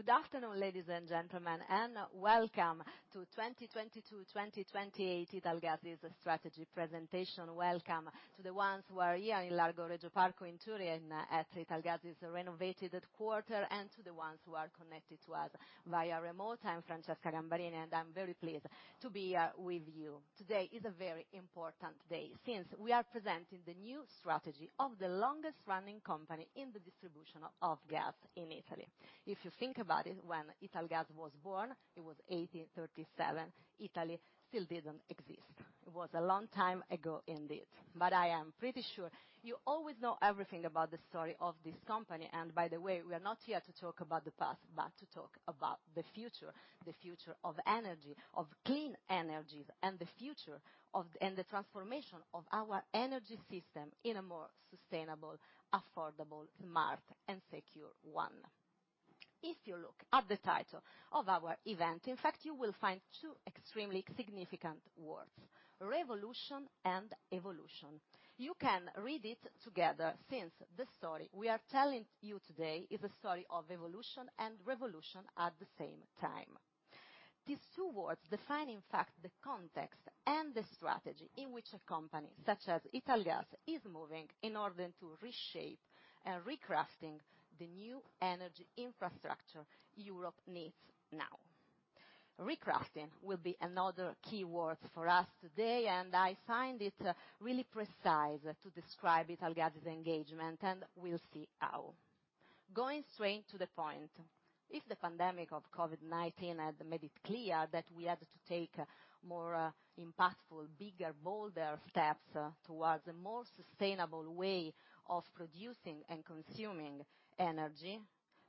Good afternoon, ladies and gentlemen, and welcome to 2022/2028 Italgas' Strategy Presentation. Welcome to the ones who are here in Largo Regio Parco in Turin at Italgas' renovated headquarters, and to the ones who are connected to us via remote. I'm Francesca Gambarini, and I'm very pleased to be with you. Today is a very important day since we are presenting the new strategy of the longest running company in the distribution of gas in Italy. If you think about it, when Italgas was born, it was 1837. Italy still didn't exist. It was a long time ago indeed, but I am pretty sure you always know everything about the story of this company. By the way, we are not here to talk about the past, but to talk about the future, the future of energy, of clean energies and the future of. The transformation of our energy system in a more sustainable, affordable, smart and secure one. If you look at the title of our event, in fact, you will find two extremely significant words, Revolution and Evolution. You can read it together since the story we are telling you today is a story of evolution and revolution at the same time. These two words define, in fact, the context and the strategy in which a company such as Italgas is moving in order to reshape and recrafting the new energy infrastructure Europe needs now. Recrafting will be another key word for us today, and I find it, really precise to describe Italgas engagement, and we'll see how. Going straight to the point, if the pandemic of COVID-19 had made it clear that we had to take more impactful, bigger, bolder steps towards a more sustainable way of producing and consuming energy,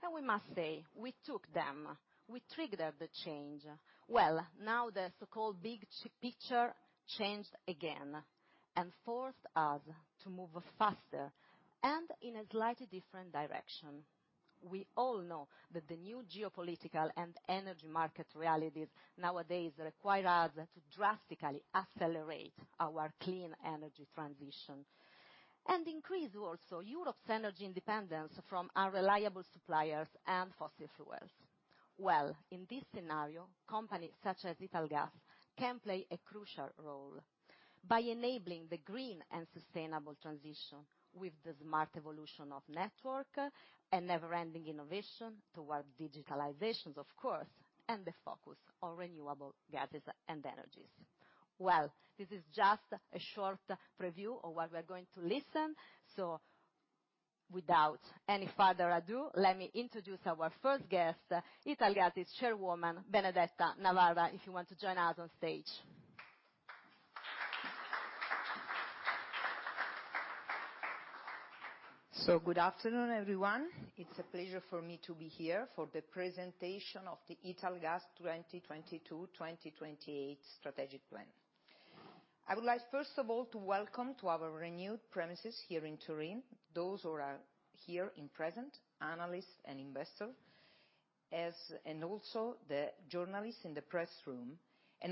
then we must say we took them. We triggered the change. Well, now the so-called big picture changed again and forced us to move faster and in a slightly different direction. We all know that the new geopolitical and energy market realities nowadays require us to drastically accelerate our clean energy transition and increase also Europe's energy independence from unreliable suppliers and fossil fuels. Well, in this scenario, companies such as Italgas can play a crucial role by enabling the green and sustainable transition with the smart evolution of network and never ending innovation towards digitalization, of course, and the focus on renewable gases and energies. Well, this is just a short preview of what we are going to listen. Without any further ado, let me introduce our first guest, Italgas Chairwoman Benedetta Navarra, if you want to join us on stage. Good afternoon, everyone. It's a pleasure for me to be here for the presentation of the Italgas 2022/2028 strategic plan. I would like, first of all, to welcome to our renewed premises here in Turin, those who are here in person, analysts and investors, and also the journalists in the press room.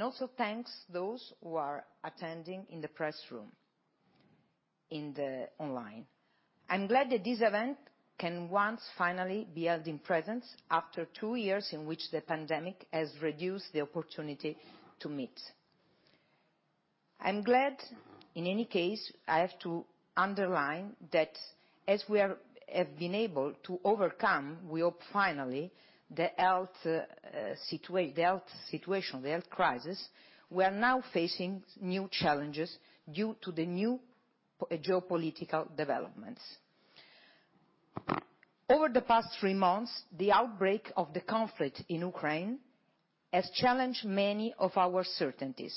Also thanks those who are attending in the press room and online. I'm glad that this event can once finally be held in person after two years in which the pandemic has reduced the opportunity to meet. I'm glad, in any case, I have to underline that as we have been able to overcome, we hope finally, the health situation, the health crisis. We are now facing new challenges due to the new geopolitical developments. Over the past three months, the outbreak of the conflict in Ukraine has challenged many of our certainties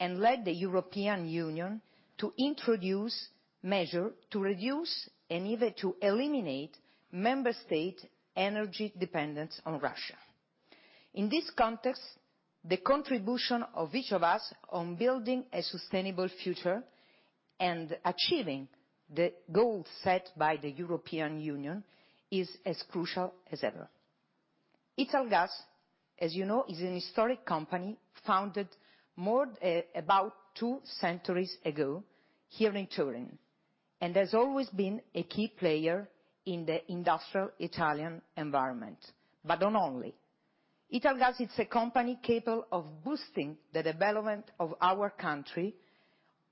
and led the European Union to introduce measures to reduce and even to eliminate member state energy dependence on Russia. In this context, the contribution of each of us on building a sustainable future and achieving the goals set by the European Union is as crucial as ever. Italgas, as you know, is an historic company founded about two centuries ago here in Turin, and has always been a key player in the industrial Italian environment. Not only, Italgas is a company capable of boosting the development of our country,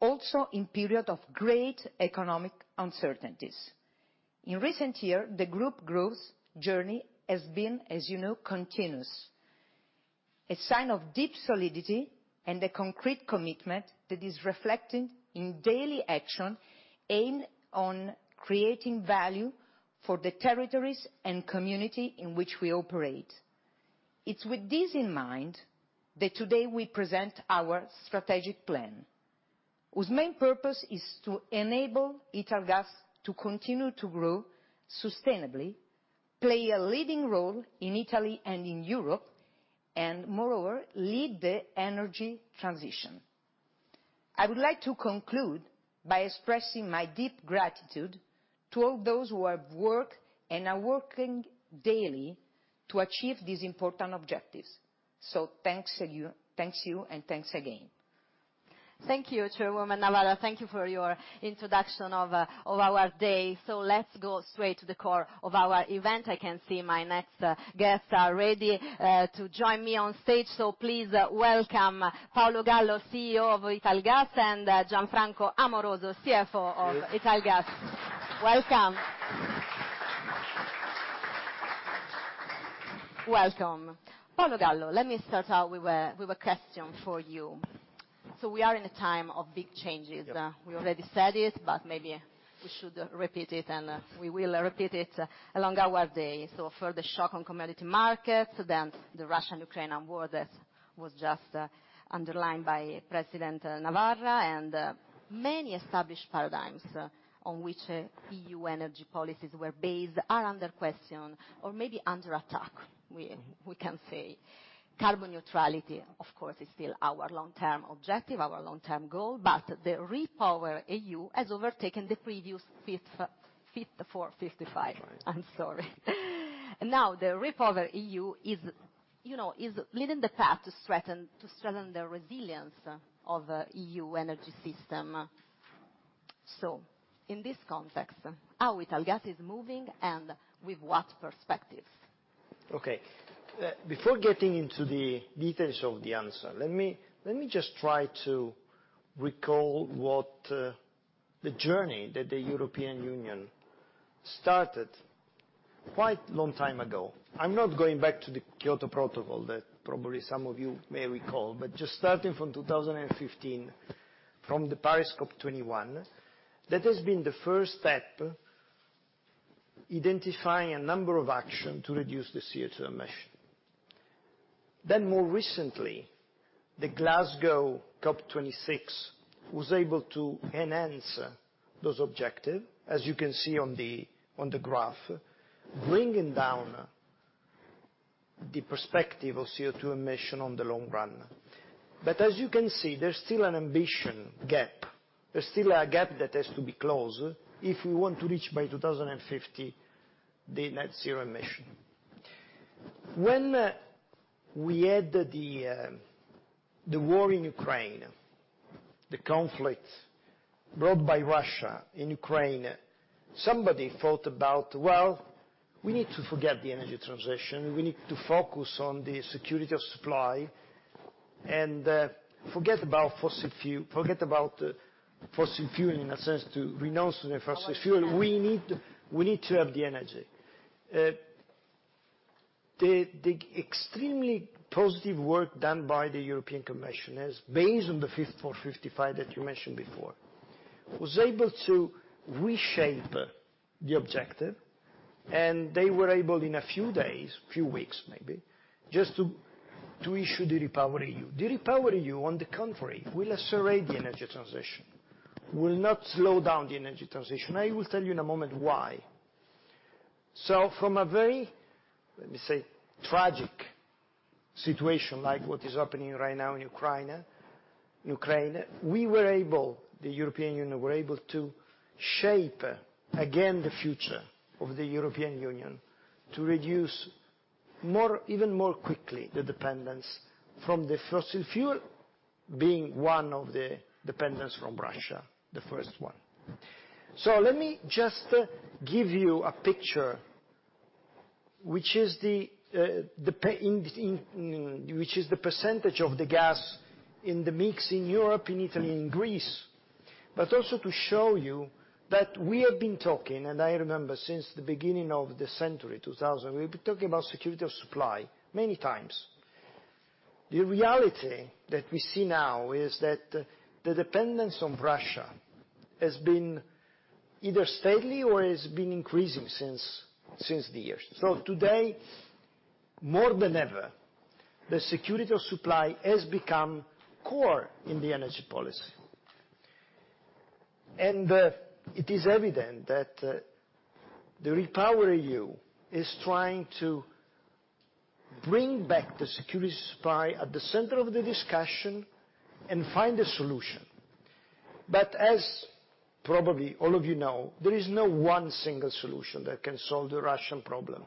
also in periods of great economic uncertainties. In recent years, the group growth journey has been, as you know, continuous. A sign of deep solidity and a concrete commitment that is reflected in daily action, aimed on creating value for the territories and community in which we operate. It's with this in mind that today we present our strategic plan, whose main purpose is to enable Italgas to continue to grow sustainably, play a leading role in Italy and in Europe, and moreover, lead the energy transition. I would like to conclude by expressing my deep gratitude. To all those who have worked and are working daily to achieve these important objectives. Thank you, thank you, and thanks again. Thank you, Chairwoman Navarra. Thank you for your introduction of our day. Let's go straight to the core of our event. I can see my next guests are ready to join me on stage. Please welcome Paolo Gallo, CEO of Italgas, and Gianfranco Amoroso, CFO of Italgas. Welcome. Paolo Gallo, let me start out with a question for you. We are in a time of big changes. Yeah. We already said it, but maybe we should repeat it, and we will repeat it along our day. Further shock on commodity markets, then the Russia-Ukraine war that was just underlined by President Navarra, and many established paradigms on which EU energy policies were based are under question or maybe under attack, we can say. Carbon neutrality, of course, is still our long-term objective, our long-term goal, but the REPowerEU has overtaken the previous Fit for 55. Right. I'm sorry. Now, the REPowerEU is, you know, leading the path to strengthen the resilience of EU energy system. In this context, how Italgas is moving and with what perspectives? Okay. Before getting into the details of the answer, let me just try to recall what the journey that the European Union started quite long time ago. I'm not going back to the Kyoto Protocol that probably some of you may recall, but just starting from 2015, from the Paris COP21, that has been the first step identifying a number of action to reduce the CO2 emission. More recently, the Glasgow COP26 was able to enhance those objective, as you can see on the graph, bringing down the perspective of CO2 emission on the long run. As you can see, there's still an ambition gap. There's still a gap that has to be closed if we want to reach by 2050 the net zero emission. When we had the war in Ukraine, the conflict brought by Russia in Ukraine, somebody thought about, "Well, we need to forget the energy transition. We need to focus on the security of supply and forget about fossil fuel, in a sense, to renounce the fossil fuel. We need to have the energy." The extremely positive work done by the European Commission is based on the Fit for 55 that you mentioned before, was able to reshape the objective, and they were able in a few days, few weeks maybe, just to issue the REPowerEU. The REPowerEU, on the contrary, will accelerate the energy transition, will not slow down the energy transition. I will tell you in a moment why. From a very, let me say, tragic situation like what is happening right now in Ukraine, we were able, the European Union were able to shape again the future of the European Union to reduce more, even more quickly the dependence from the fossil fuel being one of the dependence from Russia, the first one. Let me just give you a picture, which is the percentage of the gas in the mix in Europe, in Italy, in Greece. Also to show you that we have been talking, and I remember since the beginning of the century, 2000, we've been talking about security of supply many times. The reality that we see now is that the dependence on Russia has been either steady or has been increasing since the years. Today, more than ever, the security of supply has become core in the energy policy. It is evident that the REPowerEU is trying to bring back the security of supply at the center of the discussion and find a solution. As probably all of you know, there is no one single solution that can solve the Russian problem.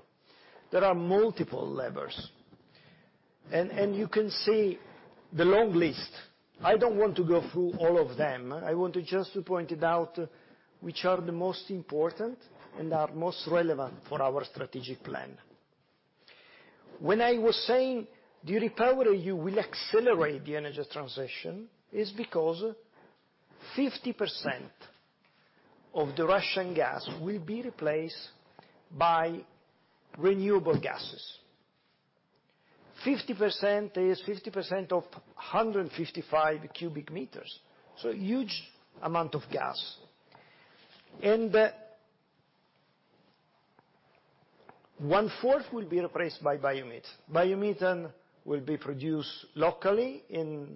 There are multiple levers. You can see the long list. I don't want to go through all of them. I want to just point it out which are the most important and are most relevant for our strategic plan. When I was saying the REPowerEU will accelerate the energy transition, is because 50% of the Russian gas will be replaced by renewable gases. 50% is 50% of 155 cubic meters, so huge amount of gas. One-fourth will be replaced by biomethane. Biomethane will be produced locally in,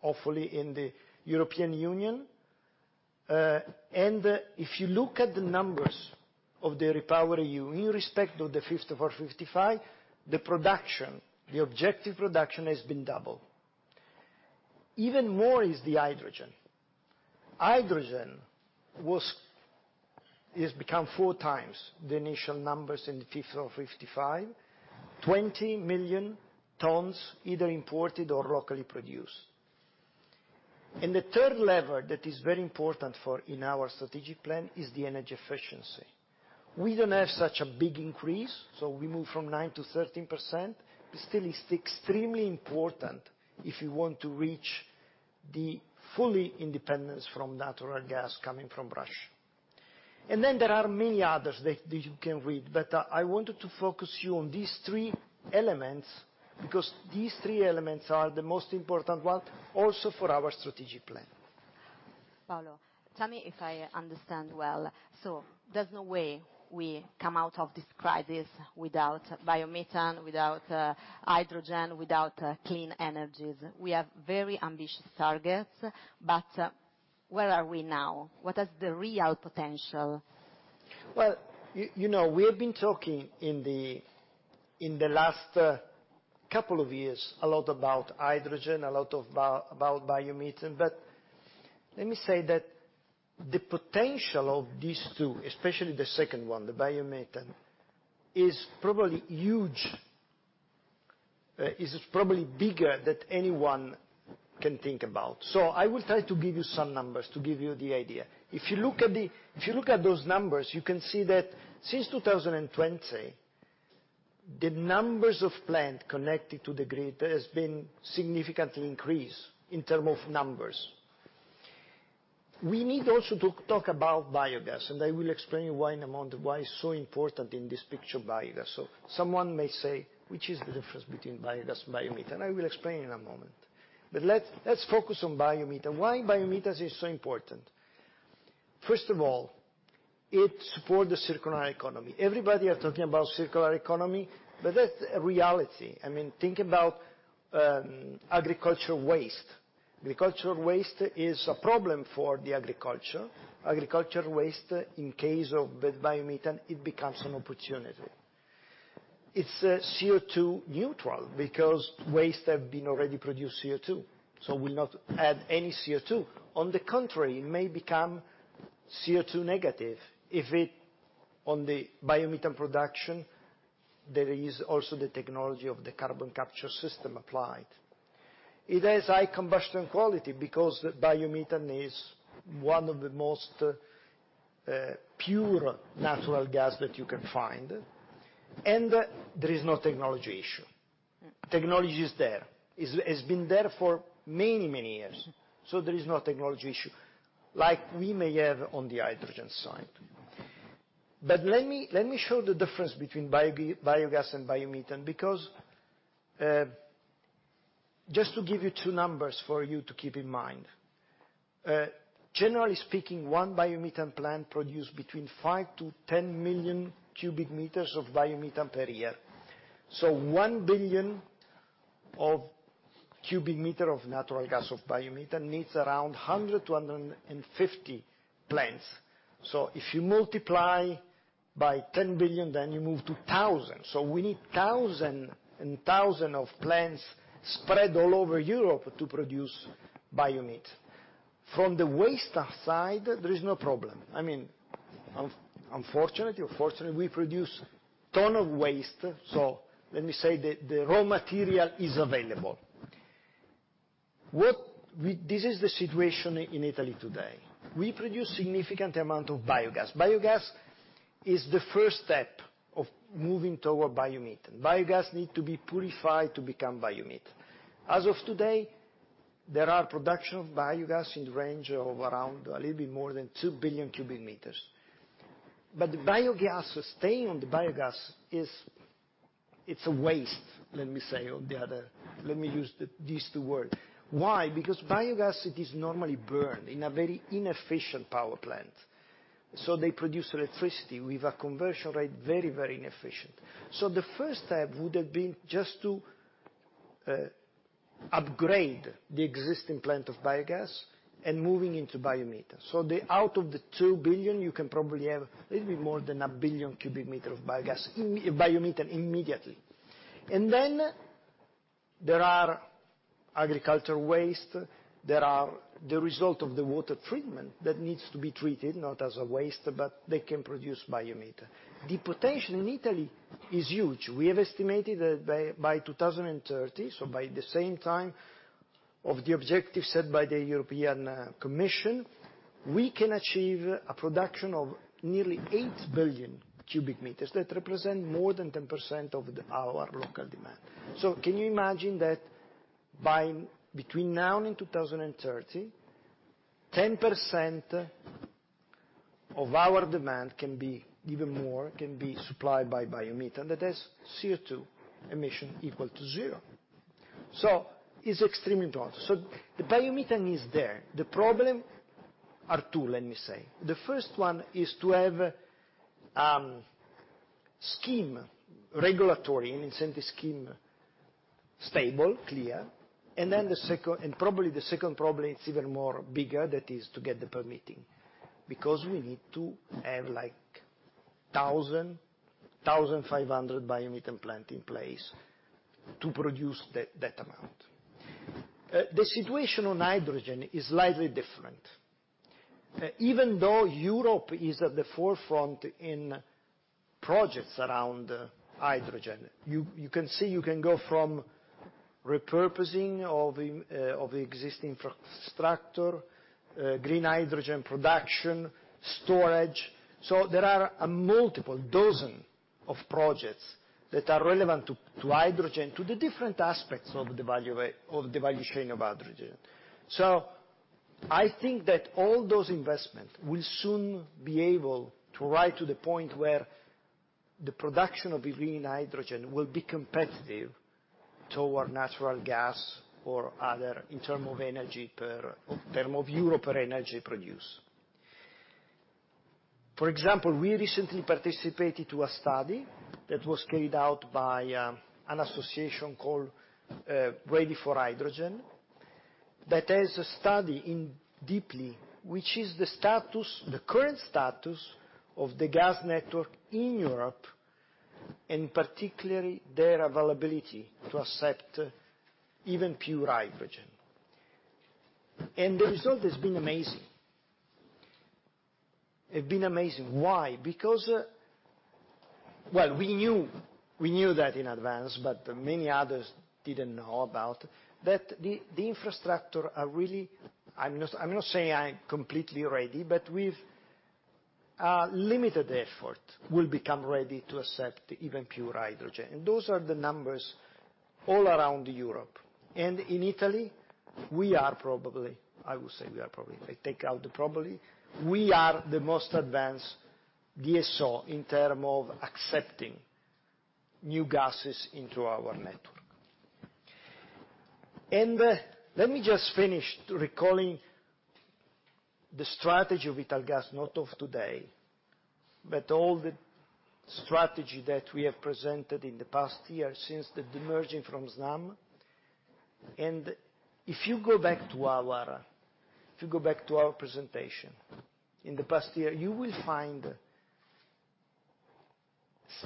hopefully in the European Union. If you look at the numbers of the REPowerEU in respect to the Fit for 55, the production, the objective production has been doubled. Even more is the hydrogen. Hydrogen has become four times the initial numbers in the Fit for 55. 20 million tons either imported or locally produced. The third lever that is very important for in our strategic plan is the energy efficiency. We don't have such a big increase, so we move from 9% to 13%. But still it's extremely important if we want to reach the full independence from natural gas coming from Russia. Then there are many others that you can read. I wanted to focus you on these three elements, because these three elements are the most important one also for our strategic plan. Paolo, tell me if I understand well. There's no way we come out of this crisis without biomethane, without hydrogen, without clean energies. We have very ambitious targets, but where are we now? What is the real potential? Well, you know, we have been talking in the last couple of years a lot about hydrogen, a lot about biomethane. Let me say that the potential of these two, especially the second one, the biomethane, is probably huge. It is probably bigger than anyone can think about. I will try to give you some numbers to give you the idea. If you look at those numbers, you can see that since 2020, the number of plants connected to the grid has been significantly increased in terms of numbers. We also need to talk about biogas, and I will explain why in a moment it's so important in this picture, biogas. Someone may say, which is the difference between biogas and biomethane? I will explain in a moment. Let's focus on biomethane. Why biomethane is so important? First of all, it support the circular economy. Everybody are talking about circular economy, but that's a reality. I mean, think about agricultural waste. Agricultural waste is a problem for the agriculture. Agricultural waste in case of the biomethane, it becomes an opportunity. It's CO2 neutral because waste have been already produced CO2, so will not add any CO2. On the contrary, it may become CO2 negative if it, on the biomethane production, there is also the technology of the carbon capture system applied. It has high combustion quality because biomethane is one of the most pure natural gas that you can find, and there is no technology issue. Technology is there. It's been there for many, many years, so there is no technology issue like we may have on the hydrogen side. Let me show the difference between biogas and biomethane because just to give you two numbers for you to keep in mind. Generally speaking, one biomethane plant produce between 5-10 million cubic meters of biomethane per year. So 1 billion cubic meters of biomethane needs around 100-150 plants. So if you multiply by 10 billion, then you move to 1,000. So we need thousands and thousands of plants spread all over Europe to produce biomethane. From the waste aside, there is no problem. I mean, unfortunately or fortunately, we produce tons of waste, so let me say the raw material is available. This is the situation in Italy today. We produce significant amount of biogas. Biogas is the first step of moving toward biomethane. Biogas need to be purified to become biomethane. As of today, there is production of biogas in the range of around a little bit more than 2 billion cubic meters. The biogas is a waste, let me say. Let me use these two words. Why? Because biogas is normally burned in a very inefficient power plant, so they produce electricity with a conversion rate very, very inefficient. The first step would have been just to upgrade the existing plant of biogas and moving into biomethane. Out of the 2 billion, you can probably have a little bit more than 1 billion cubic meter of biomethane immediately. Then there are agricultural waste that are the result of the water treatment that needs to be treated, not as a waste, but they can produce biomethane. The potential in Italy is huge. We have estimated that by 2030, so by the same time of the objective set by the European Commission, we can achieve a production of nearly 8 billion cubic meters that represent more than 10% of our local demand. Can you imagine that between now and 2030, 10% of our demand can be even more, can be supplied by biomethane that has CO2 emission equal to zero? It's extremely important. The biomethane is there. The problem are two, let me say. The first one is to have regulatory incentive scheme stable, clear. Then the second problem is even more bigger, that is to get the permitting, because we need to have 1,500 biomethane plant in place to produce that amount. The situation on hydrogen is slightly different. Even though Europe is at the forefront in projects around hydrogen, you can see you can go from repurposing of the existing infrastructure, green hydrogen production, storage. There are multiple dozen of projects that are relevant to hydrogen, to the different aspects of the value chain of hydrogen. I think that all those investments will soon be able to arrive to the point where the production of the green hydrogen will be competitive toward natural gas or other in terms of euro per energy produced. For example, we recently participated to a study that was carried out by an association called Ready4H2. There's a study indeed, which is the status, the current status of the gas network in Europe, and particularly their availability to accept even pure hydrogen. The result has been amazing. It's been amazing. Why? Because. Well, we knew that in advance, but many others didn't know about that the infrastructure are really. I'm not saying I'm completely ready, but with a limited effort we'll become ready to accept even pure hydrogen. Those are the numbers all around Europe. In Italy, we are probably. I would say we are probably. If I take out the probably, we are the most advanced DSO in terms of accepting new gases into our network. Let me just finish recalling the strategy of Italgas, not of today, but all the strategy that we have presented in the past year since the demerging from Snam. If you go back to our presentation in the past year, you will find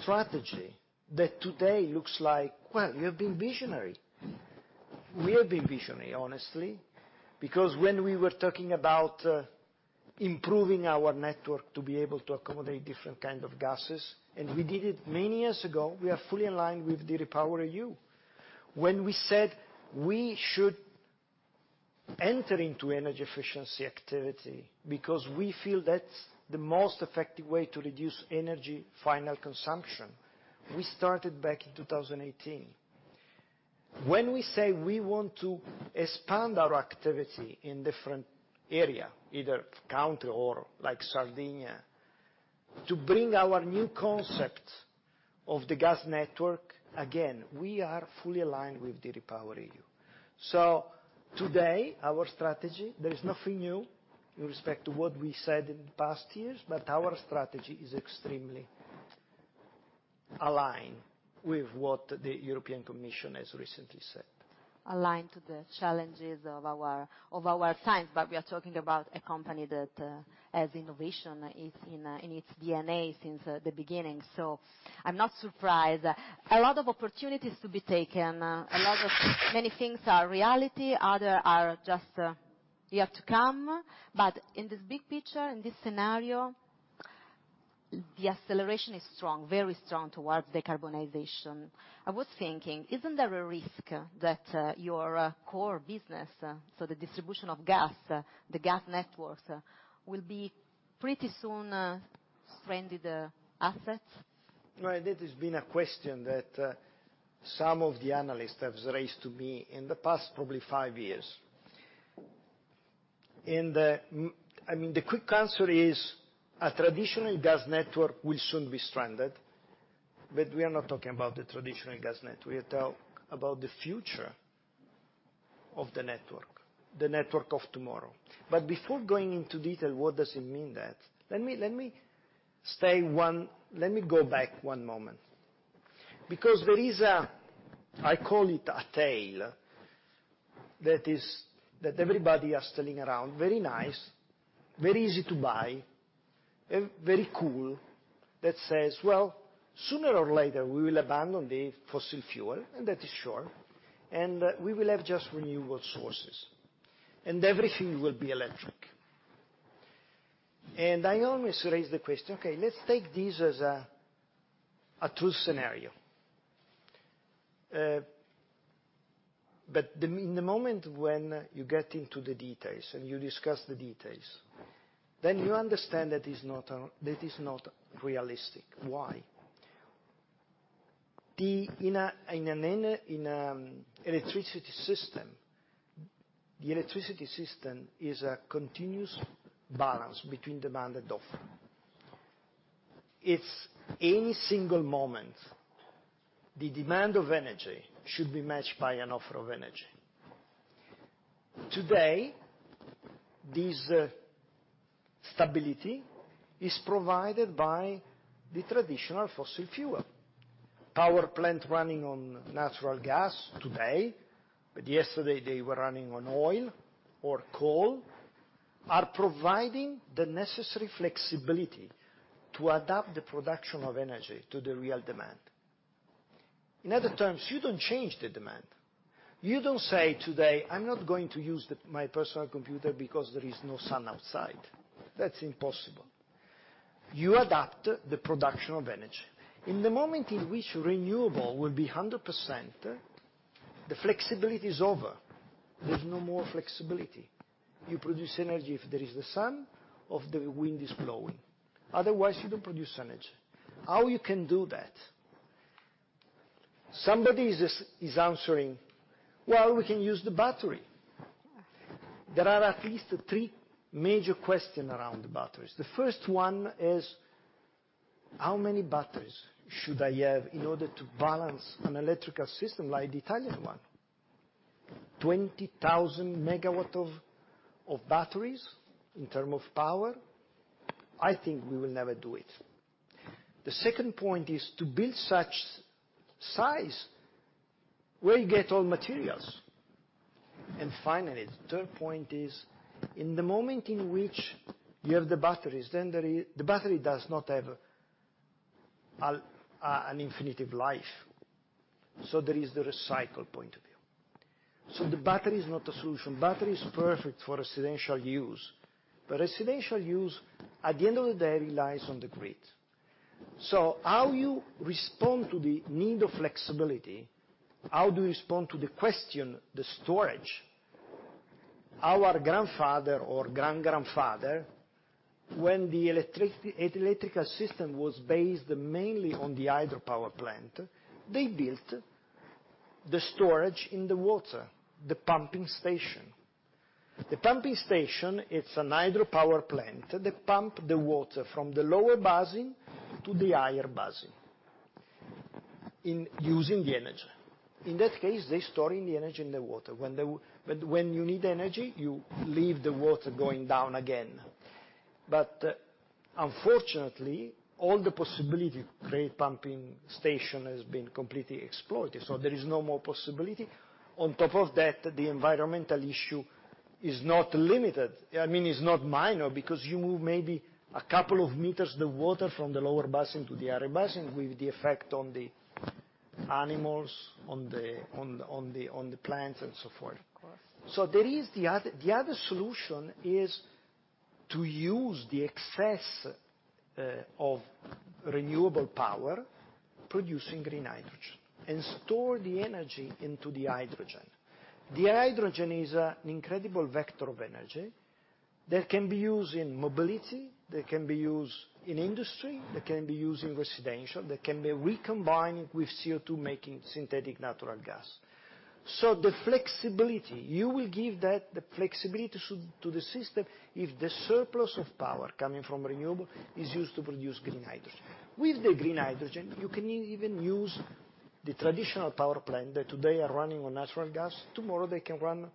strategy that today looks like, well, we have been visionary. We have been visionary, honestly. Because when we were talking about improving our network to be able to accommodate different kind of gases, and we did it many years ago, we are fully aligned with the REPowerEU. When we said we should enter into energy efficiency activity because we feel that's the most effective way to reduce final energy consumption, we started back in 2018. When we say we want to expand our activity in different area, either country or like Sardinia, to bring our new concept of the gas network, again, we are fully aligned with the REPowerEU. Today, our strategy, there is nothing new in respect to what we said in past years, but our strategy is extremely aligned with what the European Commission has recently said. Aligned to the challenges of our times. We are talking about a company that has innovation in its DNA since the beginning. I'm not surprised. A lot of opportunities to be taken. Many things are reality, others are just yet to come. In this big picture, in this scenario, the acceleration is strong, very strong towards decarbonization. I was thinking, isn't there a risk that your core business, so the distribution of gas, the gas networks, will be pretty soon stranded assets? No, that has been a question that some of the analysts have raised to me in the past probably five years. I mean, the quick answer is a traditional gas network will soon be stranded, but we are not talking about the traditional gas network. We are talk about the future of the network, the network of tomorrow. Before going into detail, what does it mean that? Let me say one. Let me go back one moment. Because there is a I call it a tale that everybody are telling around, very nice, very easy to buy, very cool, that says. Well, sooner or later we will abandon the fossil fuel, and that is sure, and we will have just renewable sources, and everything will be electric. I always raise the question, okay, let's take this as a true scenario. In the moment when you get into the details and you discuss the details, then you understand that is not realistic. Why? In an electricity system, the electricity system is a continuous balance between demand and offer. If any single moment the demand of energy should be matched by an offer of energy. Today, this stability is provided by the traditional fossil fuel power plant running on natural gas today, but yesterday they were running on oil or coal, are providing the necessary flexibility to adapt the production of energy to the real demand. In other terms, you don't change the demand. You don't say, "Today, I'm not going to use my personal computer because there is no sun outside." That's impossible. You adapt the production of energy. In the moment in which renewable will be 100%, the flexibility is over. There's no more flexibility. You produce energy if there is the sun or the wind is blowing. Otherwise, you don't produce energy. How you can do that? Somebody is answering, "Well, we can use the battery." There are at least three major questions around the batteries. The first one is, how many batteries should I have in order to balance an electrical system like the Italian one? 20,000 megawatts of batteries in terms of power. I think we will never do it. The second point is to build such size, where you get all materials? Finally, the third point is, in the moment in which you have the batteries, then the battery does not have an infinite life, so there is the recycle point of view. The battery is not a solution. Battery is perfect for residential use. Residential use, at the end of the day, relies on the grid. How do you respond to the need of flexibility, how do you respond to the question, the storage? Our grandfather or great-grandfather, when the electrical system was based mainly on the hydropower plant, they built the storage in the water, the pumping station. The pumping station, it's a hydropower plant that pumps the water from the lower basin to the higher basin by using the energy. In that case, they're storing the energy in the water. When you need energy, you leave the water going down again. Unfortunately, all the possibility to create pumping station has been completely exploited, so there is no more possibility. On top of that, the environmental issue is not limited. I mean, it's not minor because you move maybe a couple of meters the water from the lower basin to the higher basin with the effect on the animals, on the plants, and so forth. Of course. There is the other solution is to use the excess of renewable power producing green hydrogen, and store the energy into the hydrogen. The hydrogen is an incredible vector of energy that can be used in mobility, that can be used in industry, that can be used in residential, that can be recombined with CO2 making synthetic natural gas. The flexibility, you will give that, the flexibility to the system if the surplus of power coming from renewable is used to produce green hydrogen. With the green hydrogen, you can even use the traditional power plant that today are running on natural gas. Tomorrow, they can run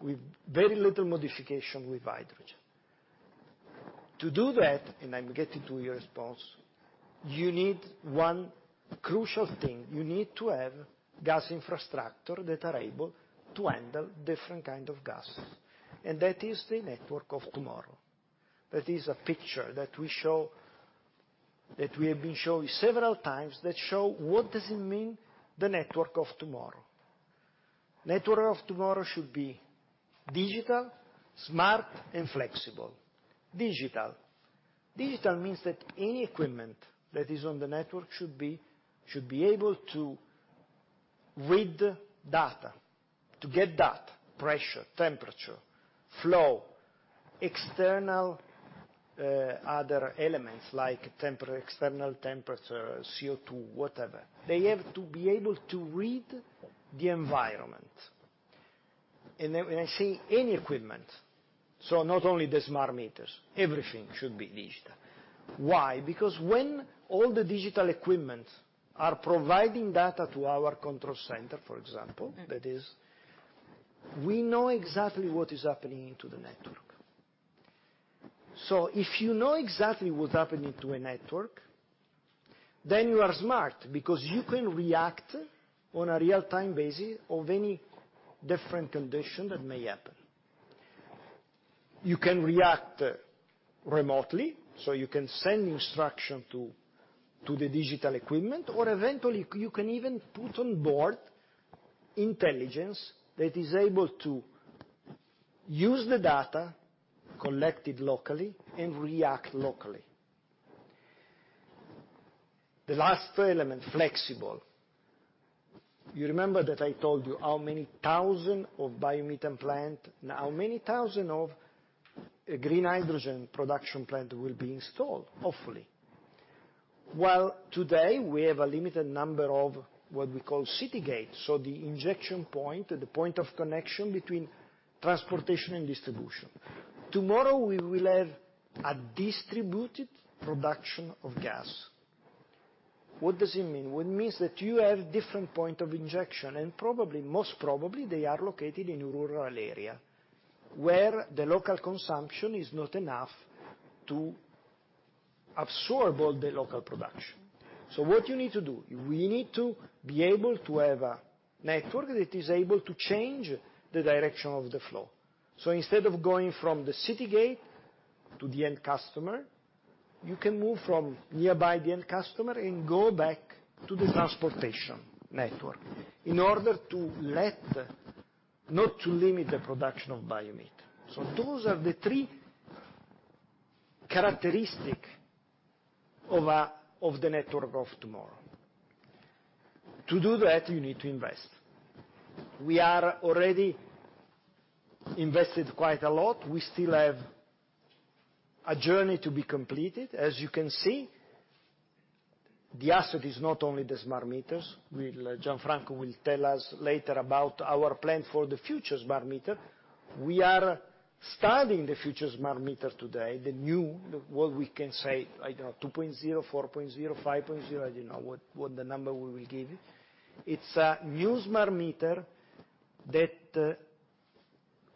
with very little modification with hydrogen. To do that, and I'm getting to your response, you need one crucial thing. You need to have gas infrastructure that are able to handle different kind of gas. That is the network of tomorrow. That is a picture that we show, that we have been showing several times, that show what does it mean, the network of tomorrow. Network of tomorrow should be digital, smart, and flexible. Digital. Digital means that any equipment that is on the network should be able to read data, to get data, pressure, temperature, flow, external, other elements like external temperature, CO2, whatever. They have to be able to read the environment. When I say any equipment, so not only the smart meters, everything should be digital. Why? Because when all the digital equipment are providing data to our control center, for example, that is we know exactly what is happening to the network. If you know exactly what's happening to a network, then you are smart because you can react on a real-time basis of any different condition that may happen. You can react remotely, so you can send instruction to the digital equipment, or eventually, you can even put on board intelligence that is able to use the data collected locally and react locally. The last element, flexible. You remember that I told you how many thousand of biomethane plant, how many thousand of green hydrogen production plant will be installed, hopefully. Well, today, we have a limited number of what we call city gate, so the injection point or the point of connection between transportation and distribution. Tomorrow, we will have a distributed production of gas. What does it mean? Well, it means that you have different point of injection, and probably, most probably, they are located in a rural area where the local consumption is not enough to absorb all the local production. What you need to do, we need to be able to have a network that is able to change the direction of the flow. Instead of going from the city gate to the end customer, you can move from nearby the end customer and go back to the transportation network in order to let, not to limit the production of biomethane. Those are the three characteristic of the network of tomorrow. To do that, you need to invest. We are already invested quite a lot. We still have a journey to be completed. As you can see, the asset is not only the smart meters. Gianfranco will tell us later about our plan for the future smart meter. We are starting the future smart meter today, the new, 2.0, 4.0, 5.0. I don't know what the number we will give. It's a new smart meter that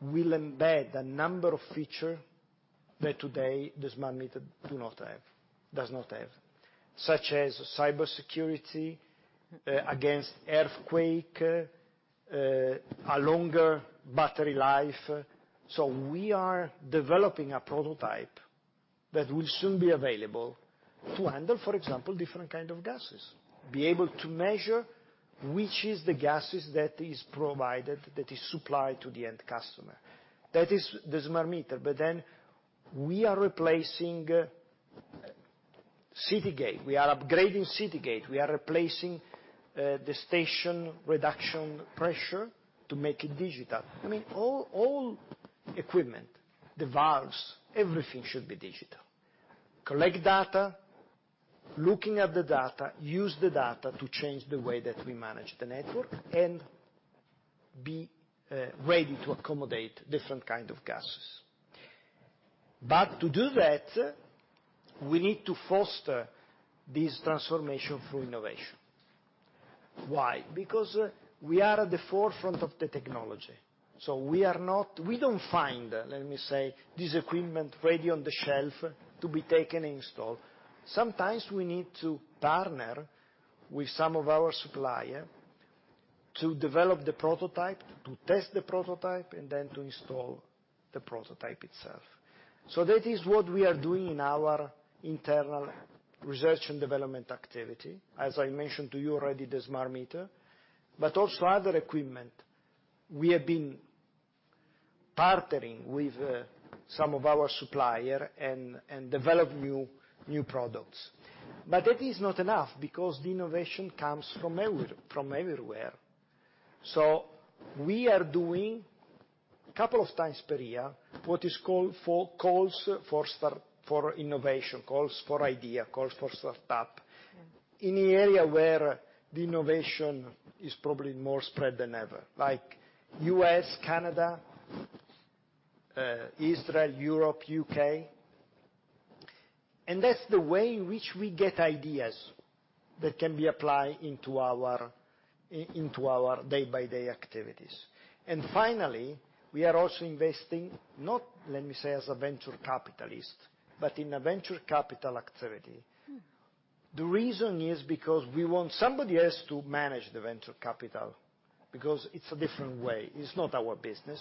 will embed a number of feature that today the smart meter does not have, such as cybersecurity, against earthquake, a longer battery life. We are developing a prototype that will soon be available to handle, for example, different kind of gases. Be able to measure which is the gases that is provided, that is supplied to the end customer. That is the smart meter. We are replacing city gate. We are upgrading city gate. We are replacing the pressure reduction station to make it digital. I mean, all equipment, the valves, everything should be digital. Collect data, looking at the data, use the data to change the way that we manage the network, and be ready to accommodate different kind of gases. To do that, we need to foster this transformation through innovation. Why? Because we are at the forefront of the technology, so we don't find, let me say, this equipment ready on the shelf to be taken and installed. Sometimes we need to partner with some of our suppliers to develop the prototype, to test the prototype, and then to install the prototype itself. That is what we are doing in our internal research and development activity. As I mentioned to you already, the smart meter, but also other equipment. We have been partnering with some of our suppliers and develop new products. That is not enough because the innovation comes from everywhere. We are doing a couple of times per year what is called calls for innovation, calls for ideas, calls for startups, in the area where the innovation is probably more spread than ever, like U.S., Canada, Israel, Europe, U.K. That's the way in which we get ideas that can be applied into our day-by-day activities. Finally, we are also investing, let me say, not as a venture capitalist, but in a venture capital activity. The reason is because we want somebody else to manage the venture capital, because it's a different way. It's not our business.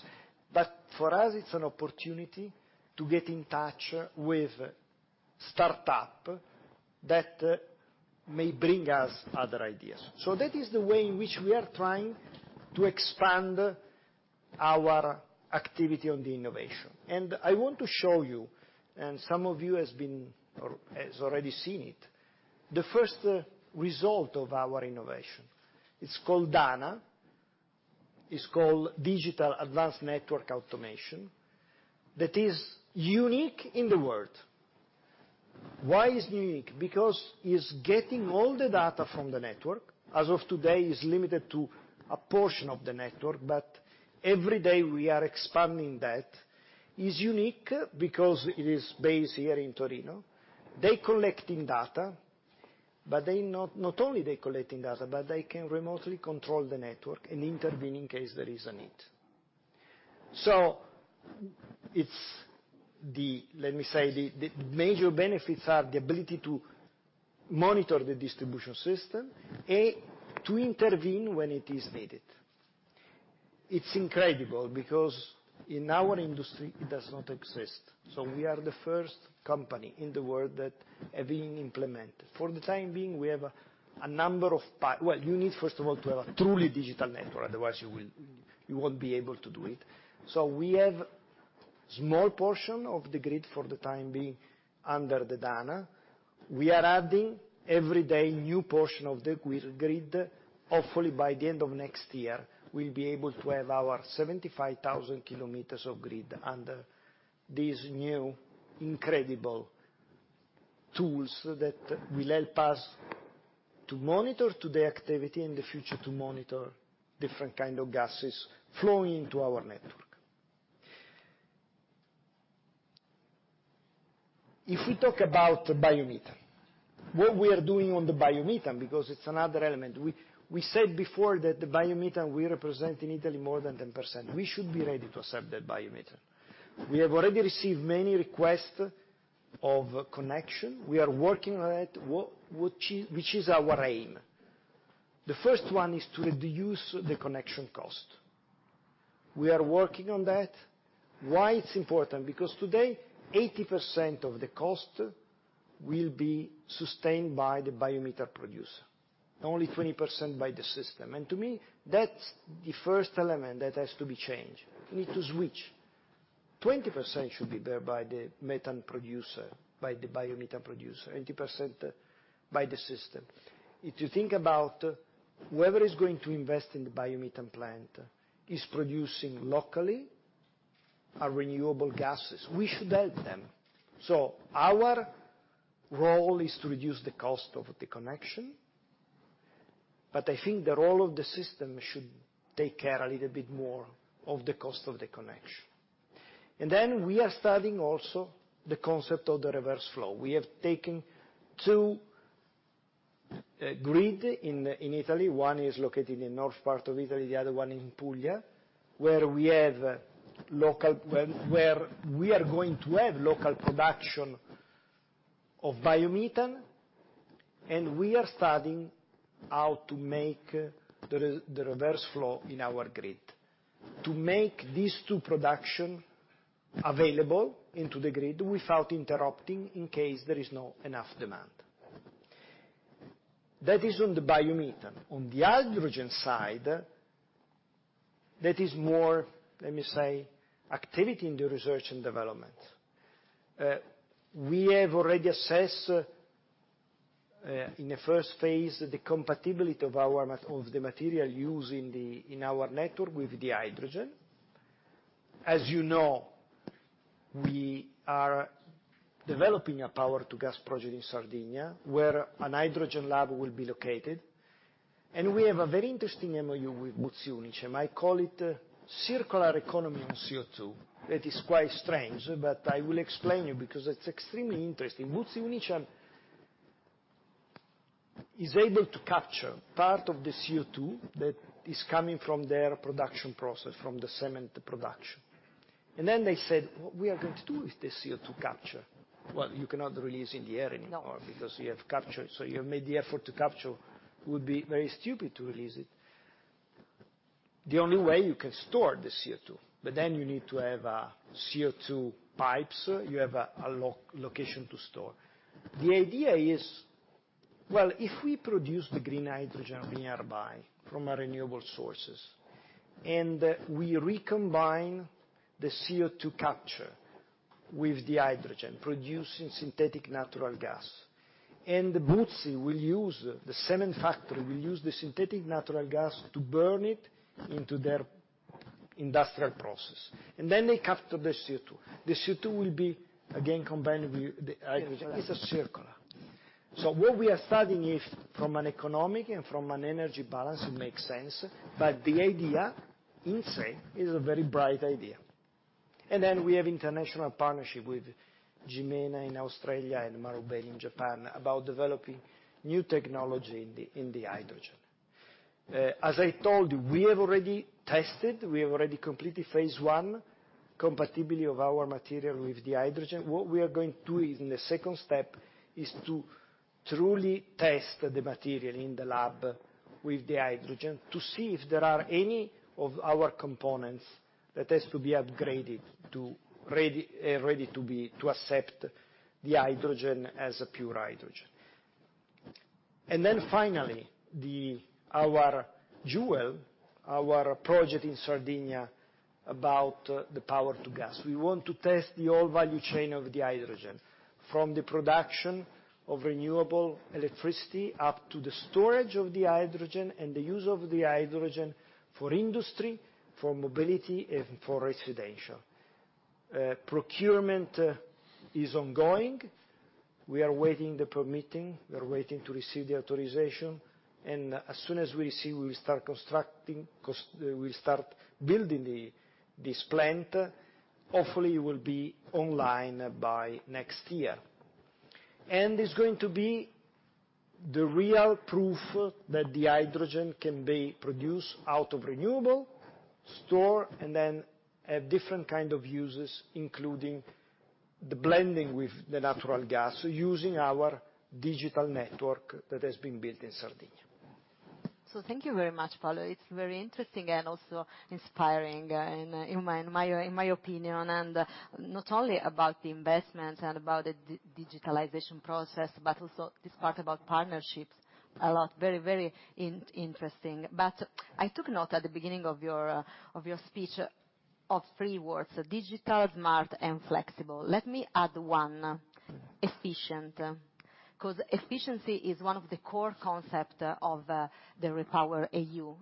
For us, it's an opportunity to get in touch with startups that may bring us other ideas. That is the way in which we are trying to expand our activity on the innovation. I want to show you, and some of you has been or has already seen it, the first result of our innovation. It's called DANA. It's called Digital Advanced Network Automation that is unique in the world. Why is it unique? Because it's getting all the data from the network. As of today, it's limited to a portion of the network, but every day, we are expanding that. It's unique because it is based here in Torino. They collecting data, but they not only collecting data, but they can remotely control the network and intervene in case there is a need. It's the, let me say, the major benefits are the ability to monitor the distribution system and to intervene when it is needed. It's incredible because in our industry, it does not exist. We are the first company in the world that are being implemented. For the time being, well, you need, first of all, to have a truly digital network, otherwise you won't be able to do it. We have small portion of the grid for the time being under the DANA. We are adding every day new portion of the grid. Hopefully, by the end of next year, we'll be able to have our 75,000 km of grid under these new incredible tools that will help us to monitor today's activity, in the future, to monitor different kind of gases flowing into our network. If we talk about biomethane, what we are doing on the biomethane, because it's another element. We said before that the biomethane we represent in Italy more than 10%. We should be ready to accept that biomethane. We have already received many requests of connection. We are working on it. What is our aim? The first one is to reduce the connection cost. We are working on that. Why it's important? Because today, 80% of the cost will be sustained by the biomethane producer, only 20% by the system. To me, that's the first element that has to be changed. We need to switch. 20% should be bear by the methane producer, by the biomethane producer, 80% by the system. If you think about whoever is going to invest in the biomethane plant, is producing locally a renewable gases, we should help them. Our role is to reduce the cost of the connection, but I think the role of the system should take care a little bit more of the cost of the connection. We are studying also the concept of the reverse flow. We have taken two grids in Italy. One is located in north part of Italy, the other one in Puglia, where we are going to have local production of biomethane, and we are studying how to make the reverse flow in our grid. To make these two productions available into the grid without interrupting in case there is not enough demand. That is on the biomethane. On the hydrogen side, that is more, let me say, activity in the research and development. We have already assessed, in the first phase, the compatibility of the material used in our network with the hydrogen. As you know, we are developing a Power-to-Gas project in Sardinia, where an hydrogen lab will be located. We have a very interesting MOU with Buzzi Unicem. I call it circular economy on CO2. That is quite strange, but I will explain you because it's extremely interesting. Buzzi Unicem is able to capture part of the CO2 that is coming from their production process, from the cement production. Then they said, "What we are going to do with the CO2 capture?" Well, you cannot release in the air anymore. No Because you have captured. You have made the effort to capture, it would be very stupid to release it. The only way you can store the CO2, but then you need to have CO2 pipes. You have a location to store. The idea is, well, if we produce the green hydrogen nearby from our renewable sources, and we recombine the CO2 capture with the hydrogen, producing synthetic natural gas. Buzzi will use, the cement factory, will use the synthetic natural gas to burn it into their industrial process. Then they capture the CO2. The CO2 will be, again, combined with the hydrogen. Hydrogen. It's a circular. What we are studying if, from an economic and from an energy balance, it makes sense. The idea, in se, is a very bright idea. We have international partnership with Jemena in Australia and Marubeni in Japan, about developing new technology in the hydrogen. As I told you, we have already tested, we have already completed phase one, compatibility of our material with the hydrogen. What we are going to do in the second step is to truly test the material in the lab with the hydrogen to see if there are any of our components that has to be upgraded to be ready to accept the hydrogen as a pure hydrogen. Finally, our jewel, our project in Sardinia about the Power-to-Gas. We want to test the whole value chain of the hydrogen, from the production of renewable electricity, up to the storage of the hydrogen and the use of the hydrogen for industry, for mobility, and for residential. Procurement is ongoing. We are waiting the permitting. We are waiting to receive the authorization. As soon as we receive, we will start building the, this plant. Hopefully, it will be online by next year. It's going to be the real proof that the hydrogen can be produced out of renewable, store, and then have different kind of uses, including the blending with the natural gas, using our digital network that has been built in Sardinia. Thank you very much, Paolo. It's very interesting and also inspiring, in my opinion, and not only about the investments and about the digitalization process, but also this part about partnerships a lot, very interesting. I took note at the beginning of your speech of three words, digital, smart, and flexible. Let me add one. Mm-hmm. Efficient. Because efficiency is one of the core concept of the REPowerEU.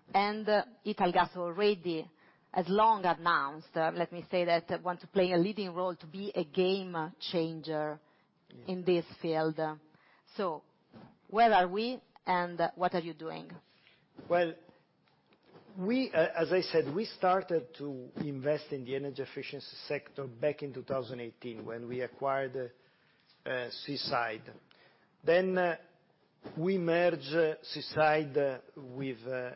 Italgas already, as long announced, let me say that want to play a leading role to be a game changer. Yes In this field. Where are we, and what are you doing? As I said, we started to invest in the energy efficiency sector back in 2018 when we acquired Seaside. We merge Seaside with the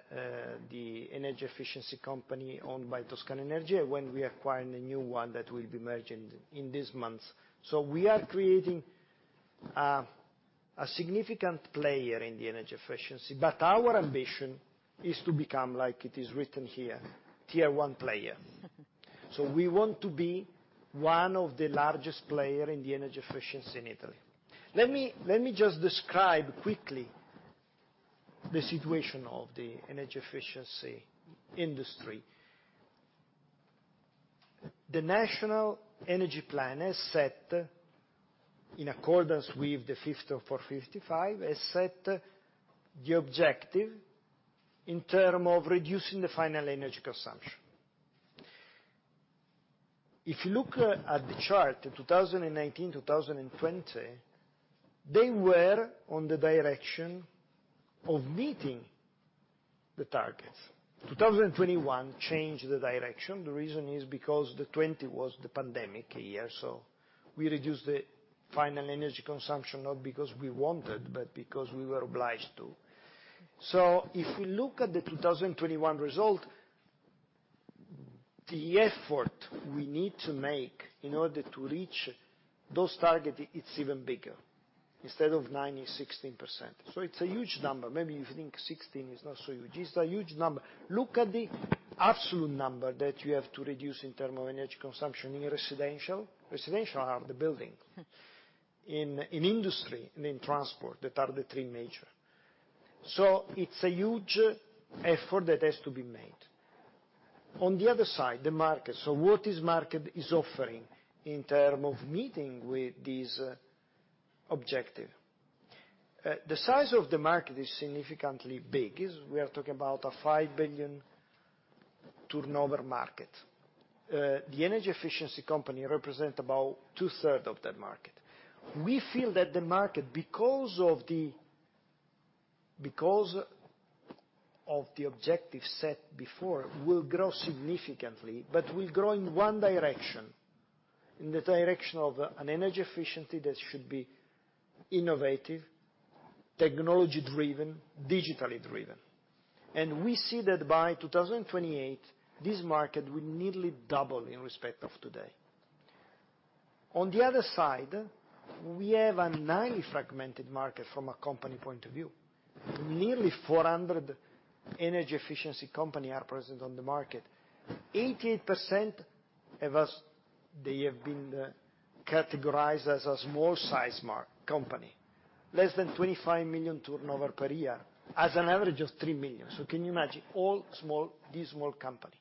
energy efficiency company owned by Toscana Energia when we acquiring a new one that will be merged in this month. We are creating a significant player in the energy efficiency, but our ambition is to become like it is written here, tier one player. We want to be one of the largest player in the energy efficiency in Italy. Let me just describe quickly the situation of the energy efficiency industry. The national energy plan has set in accordance with the Fit for 55, has set the objective in term of reducing the final energy consumption. If you look at the chart, in 2019, 2020, they were on the direction of meeting the targets. 2021 changed the direction. The reason is because 2020 was the pandemic year, so we reduced the final energy consumption, not because we wanted, but because we were obliged to. If we look at the 2021 result, the effort we need to make in order to reach those targets, it's even bigger. Instead of 9, it's 16%. It's a huge number. Maybe you think 16 is not so huge. It's a huge number. Look at the absolute number that you have to reduce in terms of energy consumption in residential. Residential are the buildings. Yeah. In industry and in transport that are the three major. It's a huge effort that has to be made. On the other side, the market. What is the market offering in terms of meeting this objective? The size of the market is significantly big; we are talking about a 5 billion turnover market. The energy efficiency company represent about two-thirds of that market. We feel that the market, because of the objective set before, will grow significantly, but will grow in one direction. In the direction of an energy efficiency that should be innovative, technology-driven, digitally-driven. We see that by 2028, this market will nearly double in respect of today. On the other side, we have a highly fragmented market from a company point of view. Nearly 400 energy efficiency companies are present on the market. 80% of us, they have been categorized as a small size company, less than 25 million turnover per year, as an average of 3 million. Can you imagine, all small, this small company.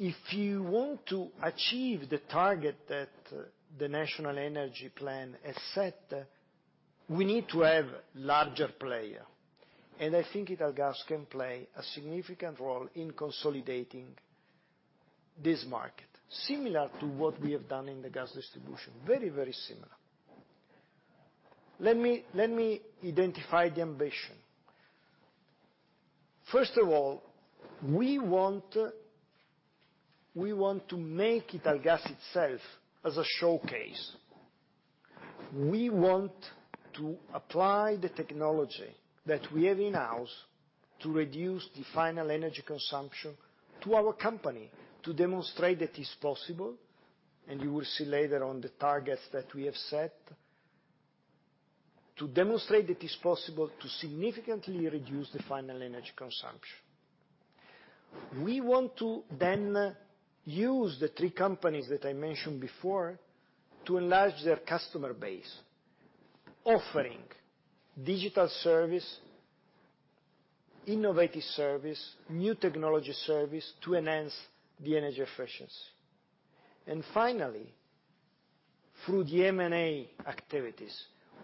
If you want to achieve the target that the national energy plan has set, we need to have larger player. I think Italgas can play a significant role in consolidating this market, similar to what we have done in the gas distribution. Very, very similar. Let me identify the ambition. First of all, we want to make Italgas itself as a showcase. We want to apply the technology that we have in-house to reduce the final energy consumption to our company to demonstrate that it's possible, and you will see later on the targets that we have set, to demonstrate that it's possible to significantly reduce the final energy consumption. We want to then use the three companies that I mentioned before to enlarge their customer base, offering digital service, innovative service, new technology service to enhance the energy efficiency. Finally, through the M&A activities,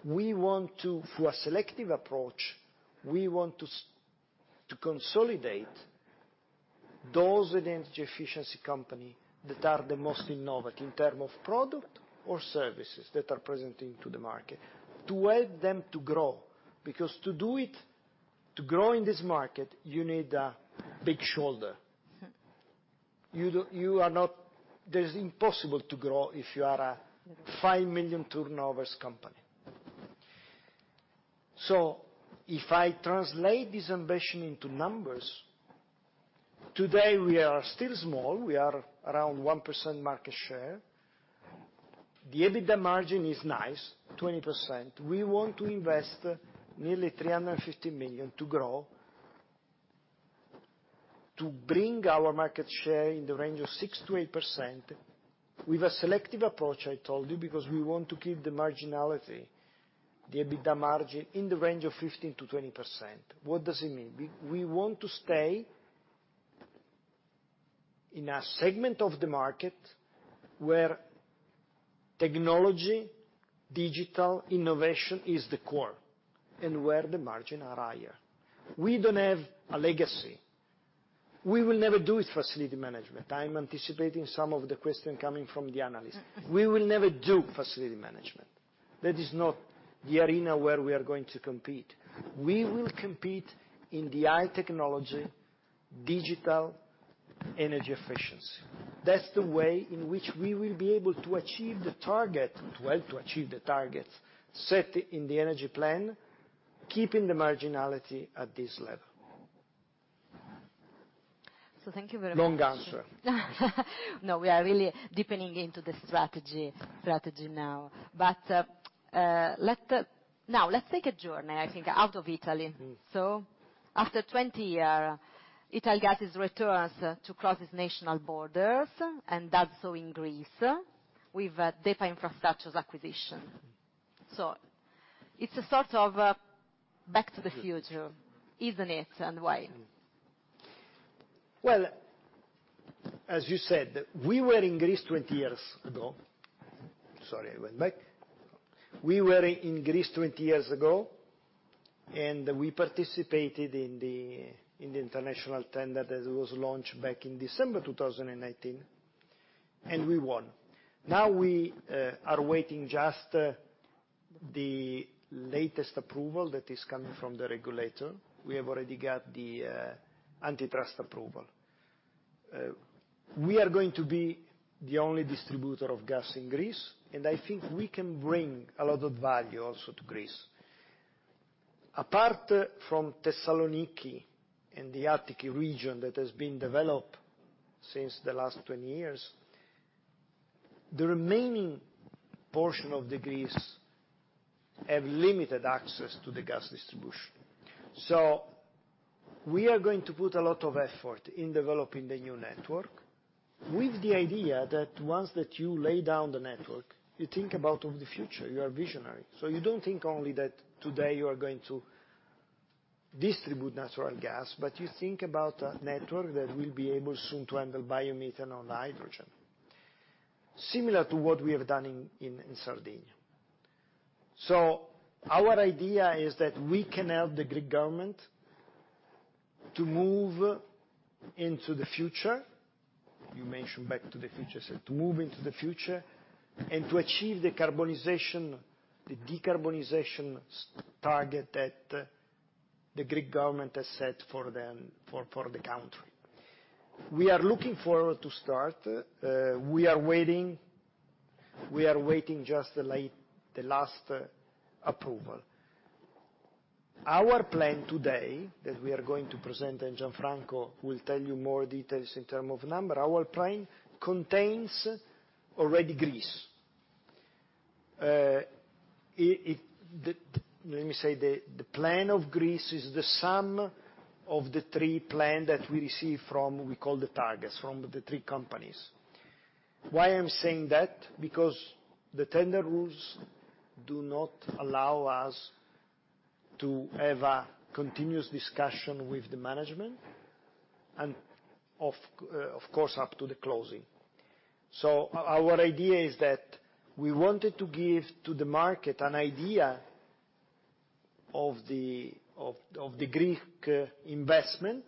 we want to, through a selective approach, to consolidate those energy efficiency company that are the most innovative in terms of product or services that are presenting to the market to help them to grow. Because to do it, to grow in this market, you need a big shoulder. You are not... That is impossible to grow if you are a 5 million turnover company. If I translate this ambition into numbers, today, we are still small. We are around 1% market share. The EBITDA margin is nice, 20%. We want to invest nearly 350 million to grow, to bring our market share in the range of 6%-8%. With a selective approach, I told you, because we want to keep the marginality, the EBITDA margin in the range of 15%-20%. What does it mean? We want to stay in a segment of the market where technology, digital innovation is the core, and where the margins are higher. We don't have a legacy. We will never do facility management. I'm anticipating some of the questions coming from the analysts. We will never do facility management. That is not the arena where we are going to compete. We will compete in the high technology, digital energy efficiency. That's the way in which we will be able to achieve the target, well, to achieve the targets set in the energy plan, keeping the marginality at this level. Thank you very much. Long answer. No, we are really deepening into the strategy now. Now, let's take a journey, I think, out of Italy. Mm. After 20 years, Italgas has returned to crossing its national borders, and does so in Greece with DEPA Infrastructure's acquisition. It's a sort of back to the future, isn't it, and why? Well, as you said, we were in Greece 20 years ago, and we participated in the international tender that was launched back in December 2019, and we won. Now we are waiting just the latest approval that is coming from the regulator. We have already got the antitrust approval. We are going to be the only distributor of gas in Greece, and I think we can bring a lot of value also to Greece. Apart from Thessaloniki and the Attica region that has been developed since the last 20 years, the remaining portion of Greece have limited access to the gas distribution. We are going to put a lot of effort in developing the new network, with the idea that once that you lay down the network, you think about the future. You are visionary, so you don't think only that today you are going to distribute natural gas, but you think about a network that will be able soon to handle biomethane or hydrogen, similar to what we have done in Sardinia. Our idea is that we can help the Greek government to move into the future. You mentioned back to the future, so to move into the future, and to achieve the decarbonization target that the Greek government has set for the country. We are looking forward to start. We are waiting just the last approval. Our plan today that we are going to present, and Gianfranco will tell you more details in terms of numbers. Our plan contains already Greece. Let me say the plan of Greece is the sum of the three plans that we receive from, we call the targets, from the three companies. Why I'm saying that? Because the tender rules do not allow us to have a continuous discussion with the management, and of course, up to the closing. Our idea is that we wanted to give to the market an idea of the Greek investment,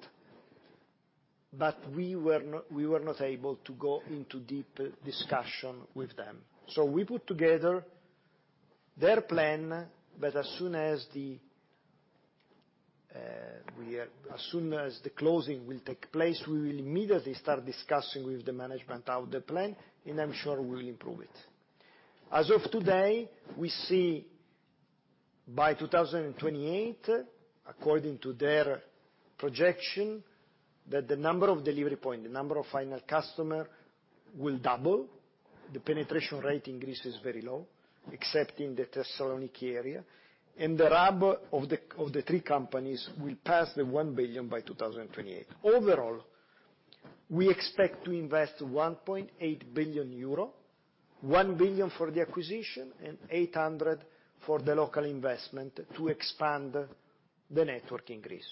but we were not able to go into deep discussion with them. We put together their plan, but as soon as the closing will take place, we will immediately start discussing with the management of the plan, and I'm sure we'll improve it. As of today, we see by 2028, according to their projection, that the number of delivery point, the number of final customer will double. The penetration rate in Greece is very low, except in the Thessaloniki area. The RAB of the three companies will pass 1 billion by 2028. Overall, we expect to invest 1.8 billion euro, 1 billion for the acquisition, and 800 million for the local investment to expand the network in Greece.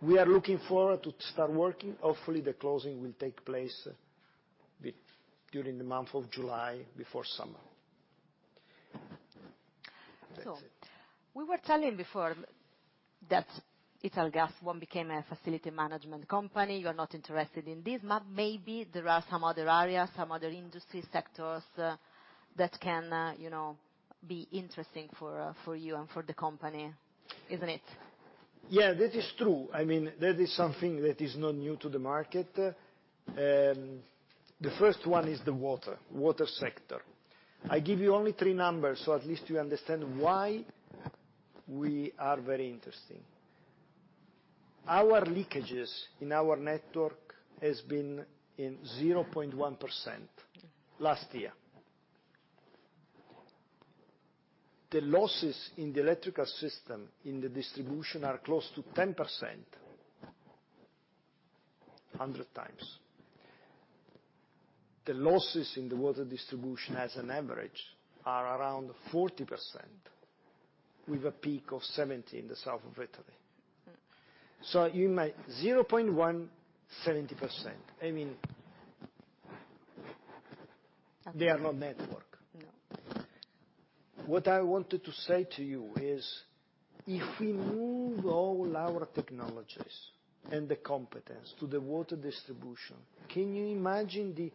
We are looking forward to start working. Hopefully, the closing will take place during the month of July, before summer. That's it. We were telling before that Italgas won't become a facility management company. You're not interested in this. Maybe there are some other areas, some other industry sectors that can, you know, be interesting for you and for the company, isn't it? Yeah, that is true. I mean, that is something that is not new to the market. The first one is the water sector. I give you only three numbers, so at least you understand why we are very interesting. Our leakages in our network has been in 0.1% last year. The losses in the electrical system in the distribution are close to 10%, 100 times. The losses in the water distribution as an average are around 40%, with a peak of 70% in the south of Italy. Mm. 0.1, 70%. I mean they are not network. No. What I wanted to say to you is, if we move all our technologies and the competence to the water distribution, can you imagine the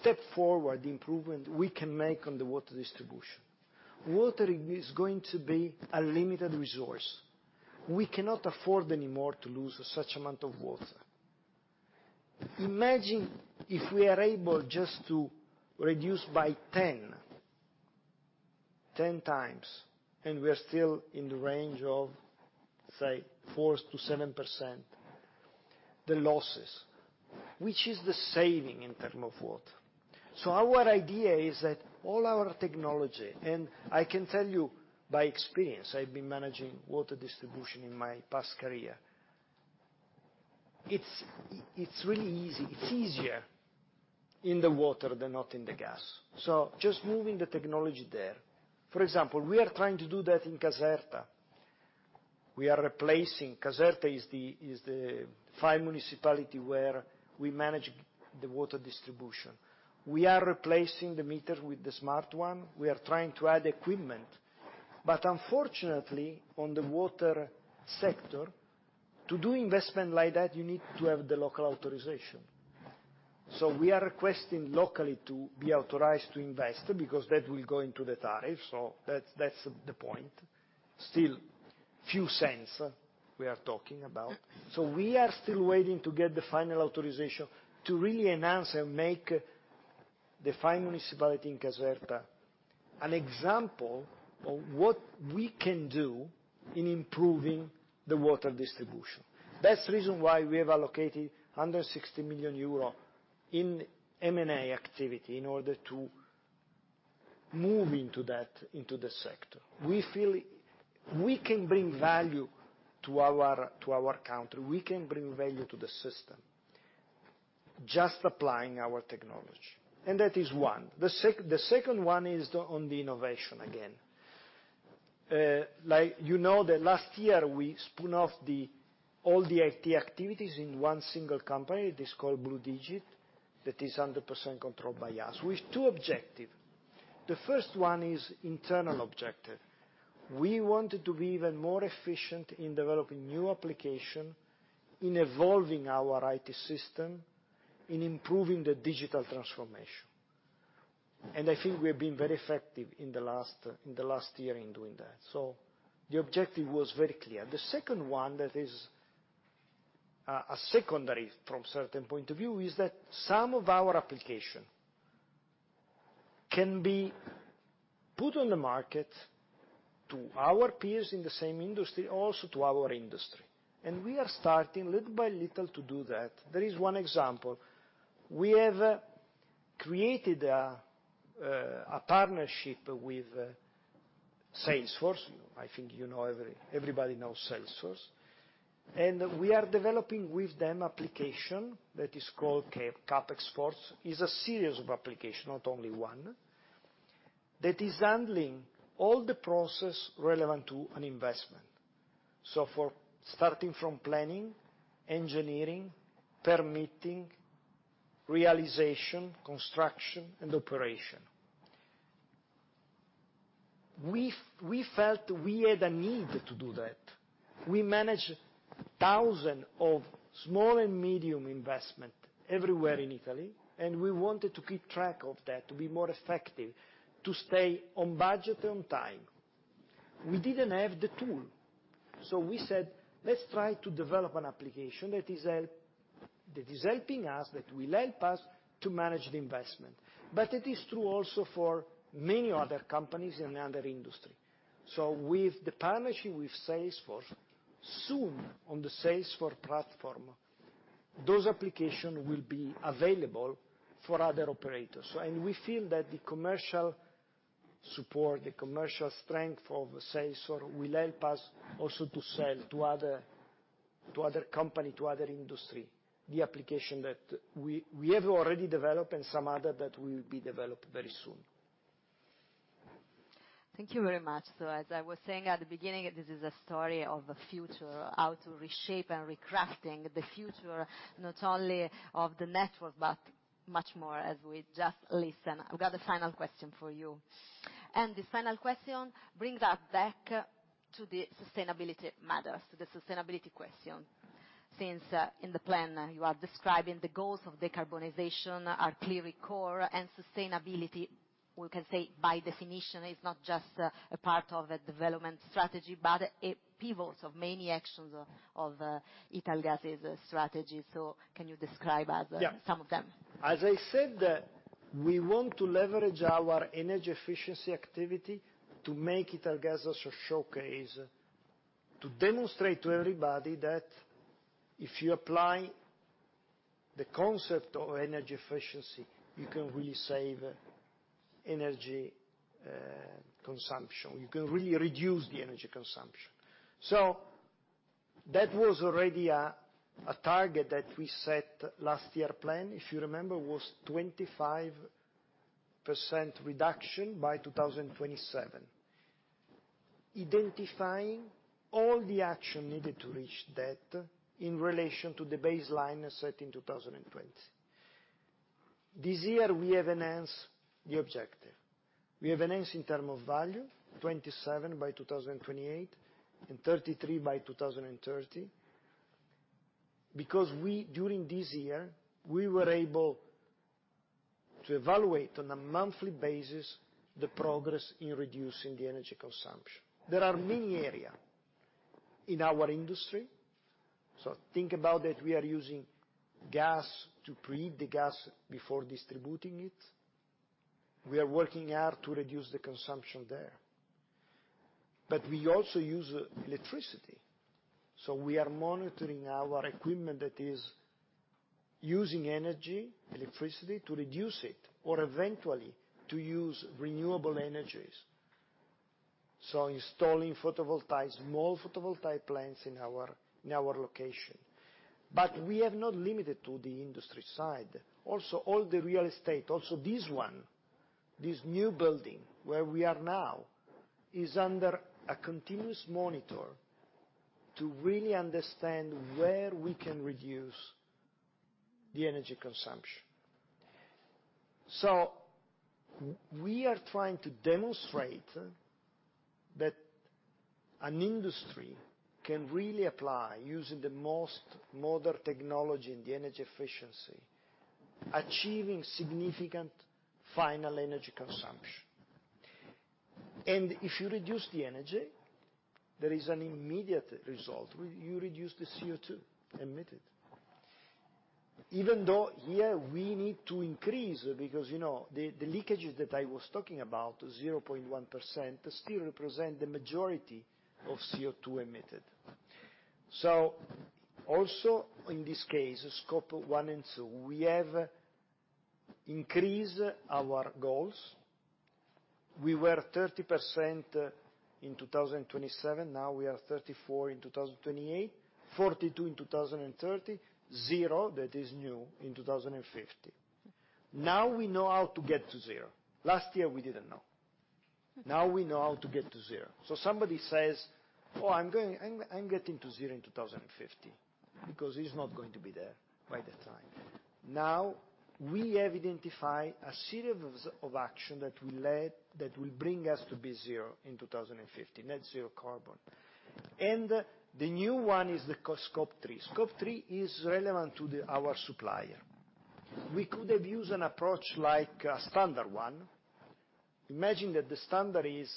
step forward, the improvement we can make on the water distribution? Water is going to be a limited resource. We cannot afford anymore to lose such amount of water. Imagine if we are able just to reduce by 10 times, and we are still in the range of, say, 4%-7% the losses, which is the saving in terms of water. Our idea is that all our technology, and I can tell you by experience, I've been managing water distribution in my past career, it's really easy. It's easier in the water than in the gas. Just moving the technology there. For example, we are trying to do that in Caserta. We are replacing. Caserta is the fine municipality where we manage the water distribution. We are replacing the meter with the smart one. We are trying to add equipment. Unfortunately, on the water sector, to do investment like that, you need to have the local authorization. We are requesting locally to be authorized to invest, because that will go into the tariff, so that's the point. Still few cents we are talking about. We are still waiting to get the final authorization to really announce and make the fine municipality in Caserta an example of what we can do in improving the water distribution. That's reason why we have allocated 160 million euro in M&A activity in order to move into that, into the sector. We feel we can bring value to our country, we can bring value to the system, just applying our technology. That is one. The second one is on the innovation again. Like, you know that last year we spun off all the IT activities in one single company. It is called Bludigit, that is 100% controlled by us. With two objective. The first one is internal objective. We wanted to be even more efficient in developing new application, in evolving our IT system, in improving the digital transformation. I think we have been very effective in the last year in doing that. The objective was very clear. The second one that is a secondary from certain point of view is that some of our application can be put on the market to our peers in the same industry, also to our industry. We are starting little by little to do that. There is one example. We have created a partnership with Salesforce. I think you know everybody knows Salesforce. We are developing with them application that is called CapEx Force. It is a series of application, not only one, that is handling all the process relevant to an investment. For starting from planning, engineering, permitting, realization, construction and operation. We felt we had a need to do that. We manage thousand of small and medium investment everywhere in Italy, and we wanted to keep track of that to be more effective, to stay on budget, on time. We didn't have the tool, so we said, "Let's try to develop an application that is helping us, that will help us to manage the investment." It is true also for many other companies in other industry. With the partnership with Salesforce, soon on the Salesforce platform, those application will be available for other operators. We feel that the commercial support, the commercial strength of Salesforce will help us also to sell to other companies, to other industries, the application that we have already developed and some other that will be developed very soon. Thank you very much. As I was saying at the beginning, this is a story of the future, how to reshape and recrafting the future, not only of the network, but much more as we just listen. I've got a final question for you. This final question brings us back to the sustainability matters, to the sustainability question. Since in the plan you are describing the goals of decarbonization are clearly core and sustainability, we can say by definition, is not just a part of a development strategy, but it pivots of many actions of Italgas' strategy. Can you describe us- Yeah some of them? As I said, we want to leverage our energy efficiency activity to make Italgas as a showcase, to demonstrate to everybody that if you apply the concept of energy efficiency, you can really save energy consumption. You can really reduce the energy consumption. That was already a target that we set last year plan. If you remember, was 25% reduction by 2027. Identifying all the action needed to reach that in relation to the baseline set in 2020. This year, we have enhanced the objective. We have enhanced in terms of value, 27% by 2028, and 33% by 2030. Because we during this year, we were able to evaluate on a monthly basis the progress in reducing the energy consumption. There are many areas in our industry, so think about that we are using gas to preheat the gas before distributing it. We are working hard to reduce the consumption there. We also use electricity, so we are monitoring our equipment that is using energy, electricity to reduce it, or eventually to use renewable energies. Installing photovoltaics, more photovoltaic plants in our location. We have not limited to the industry side. Also, all the real estate, also this one, this new building where we are now, is under a continuous monitoring to really understand where we can reduce the energy consumption. We are trying to demonstrate that an industry can really apply using the most modern technology in the energy efficiency, achieving significant final energy consumption. If you reduce the energy, there is an immediate result, where you reduce the CO2 emitted. Even though here we need to increase because, you know, the leakages that I was talking about, 0.1%, still represent the majority of CO2 emitted. Also in this case, Scope 1 and 2, we have increase our goals. We were 30% in 2027, now we are 34% in 2028, 42% in 2030, 0, that is new, in 2050. Now we know how to get to zero. Last year, we didn't know. Now we know how to get to zero. Somebody says, "Oh, I'm getting to zero in 2050," because he's not going to be there by that time. Now, we have identified a series of action that will bring us to be zero in 2050, net zero carbon. The new one is the Scope 3. Scope 3 is relevant to the, our supplier. We could have used an approach like a standard one. Imagine that the standard is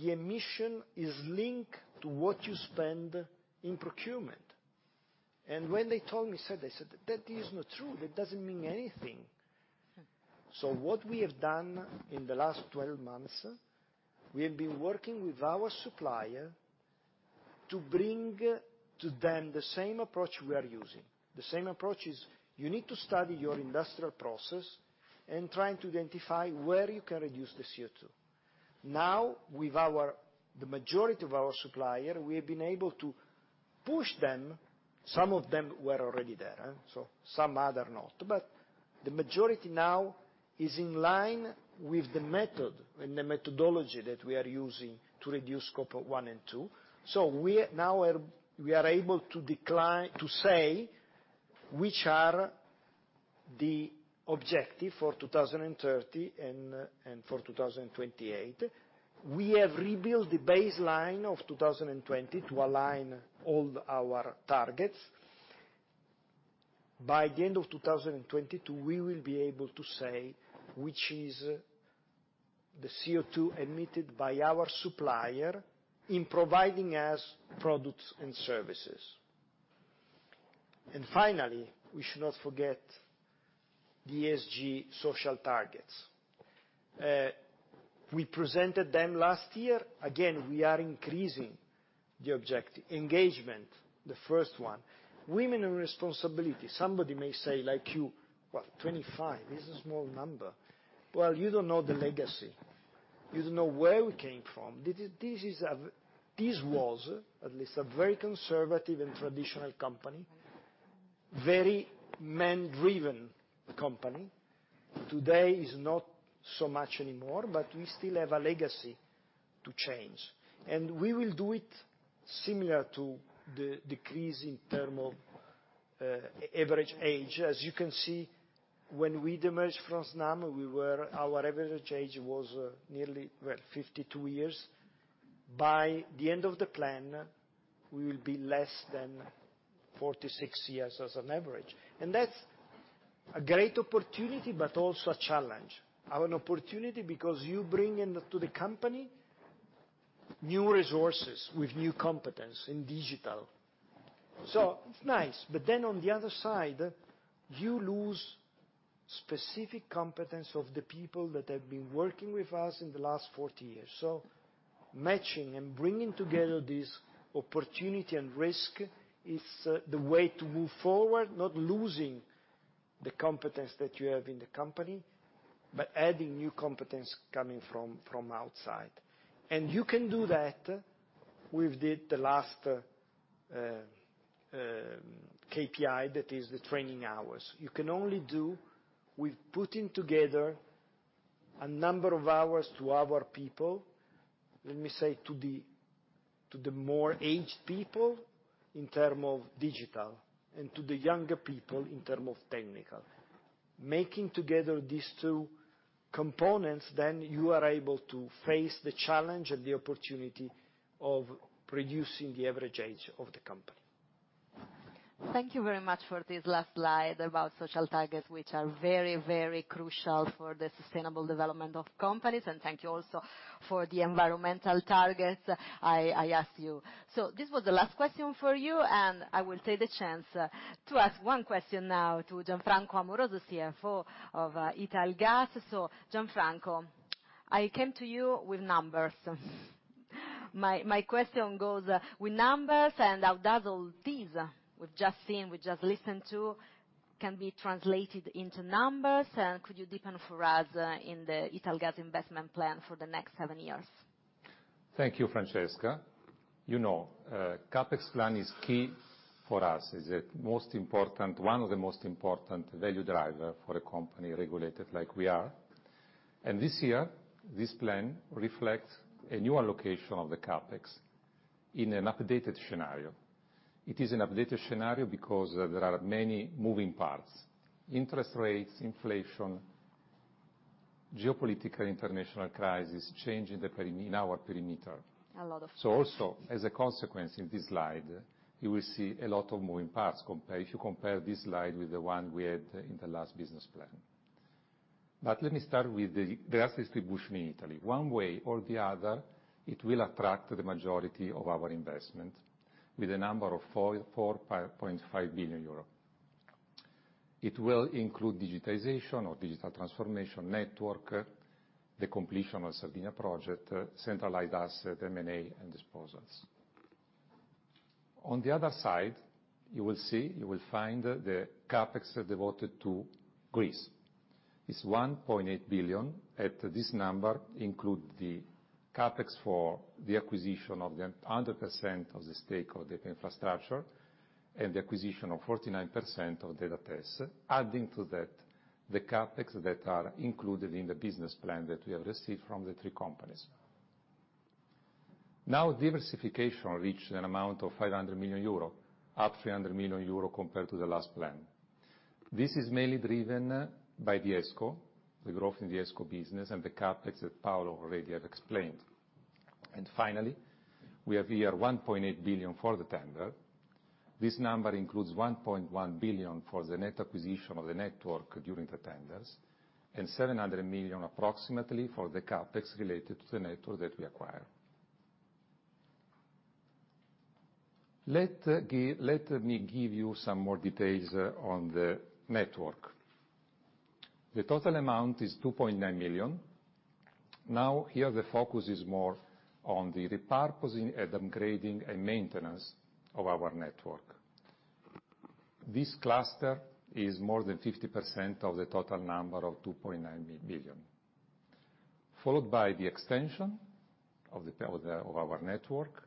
the emission is linked to what you spend in procurement. When they told me, I said, "That is not true. That doesn't mean anything." What we have done in the last 12 months, we have been working with our supplier to bring to them the same approach we are using. The same approach is you need to study your industrial process and trying to identify where you can reduce the CO2. Now, with our, the majority of our supplier, we have been able to push them. Some of them were already there, so some other not. The majority now is in line with the method and the methodology that we are using to reduce Scope 1 and 2. We are now able to define the objectives for 2030 and for 2028. We have rebuilt the baseline of 2020 to align all our targets. By the end of 2022, we will be able to say which is the CO2 emitted by our supplier in providing us products and services. We should not forget the ESG social targets. We presented them last year. Again, we are increasing the objective engagement, the first one. Women and responsibility, somebody may say like you, what, 25? This is a small number. Well, you don't know the legacy. You don't know where we came from. This was at least a very conservative and traditional company, very man-driven company. Today is not so much anymore, but we still have a legacy to change. We will do it similar to the decrease in terms of average age. As you can see, when we demerge from Snam, our average age was nearly 52 years. By the end of the plan, we will be less than 46 years as an average. That's a great opportunity, but also a challenge. An opportunity because you bring in to the company new resources with new competence in digital. It's nice. On the other side, you lose specific competence of the people that have been working with us in the last 40 years. Matching and bringing together this opportunity and risk is the way to move forward, not losing the competence that you have in the company, but adding new competence coming from outside. You can do that with the last KPI, that is the training hours. You can only do with putting together a number of hours to our people, let me say to the more aged people in terms of digital, and to the younger people in terms of technical. Making together these two components, then you are able to face the challenge and the opportunity of reducing the average age of the company. Thank you very much for this last slide about social targets, which are very, very crucial for the sustainable development of companies, and thank you also for the environmental targets I asked you. This was the last question for you, and I will take the chance to ask one question now to Gianfranco Amoroso, CFO of Italgas. Gianfranco, I came to you with numbers. My question goes with numbers, and how does all this we've just seen, we've just listened to can be translated into numbers, and could you deepen for us in the Italgas investment plan for the next seven years? Thank you, Francesca. You know, CapEx plan is key for us. It's the most important, one of the most important value driver for a company regulated like we are. This year, this plan reflects a new allocation of the CapEx in an updated scenario. It is an updated scenario because there are many moving parts, interest rates, inflation, geopolitical international crisis, change in our perimeter. A lot of things. Also, as a consequence in this slide, you will see a lot of moving parts if you compare this slide with the one we had in the last business plan. Let me start with the gas distribution in Italy. One way or the other, it will attract the majority of our investment with a number of 4.5 billion euro. It will include digitization or digital transformation network, the completion of Sardinia project, centralized asset, M&A, and disposals. On the other side, you will see, you will find the CapEx devoted to Greece. It's 1.8 billion, and this number include the CapEx for the acquisition of the 100% of the stake of the infrastructure and the acquisition of 49% of the assets. Adding to that, the CapEx that are included in the business plan that we have received from the three companies. Now, diversification reached an amount of 500 million euro, up 300 million euro compared to the last plan. This is mainly driven by the ESCO, the growth in the ESCO business, and the CapEx that Paolo already have explained. Finally, we have here 1.8 billion for the tender. This number includes 1.1 billion for the net acquisition of the network during the tenders, and seven hundred million approximately for the CapEx related to the network that we acquire. Let me give you some more details on the network. The total amount is 2.9 billion. Now, here, the focus is more on the repurposing and upgrading and maintenance of our network. This cluster is more than 50% of the total number of 2.9 million, followed by the extension of our network.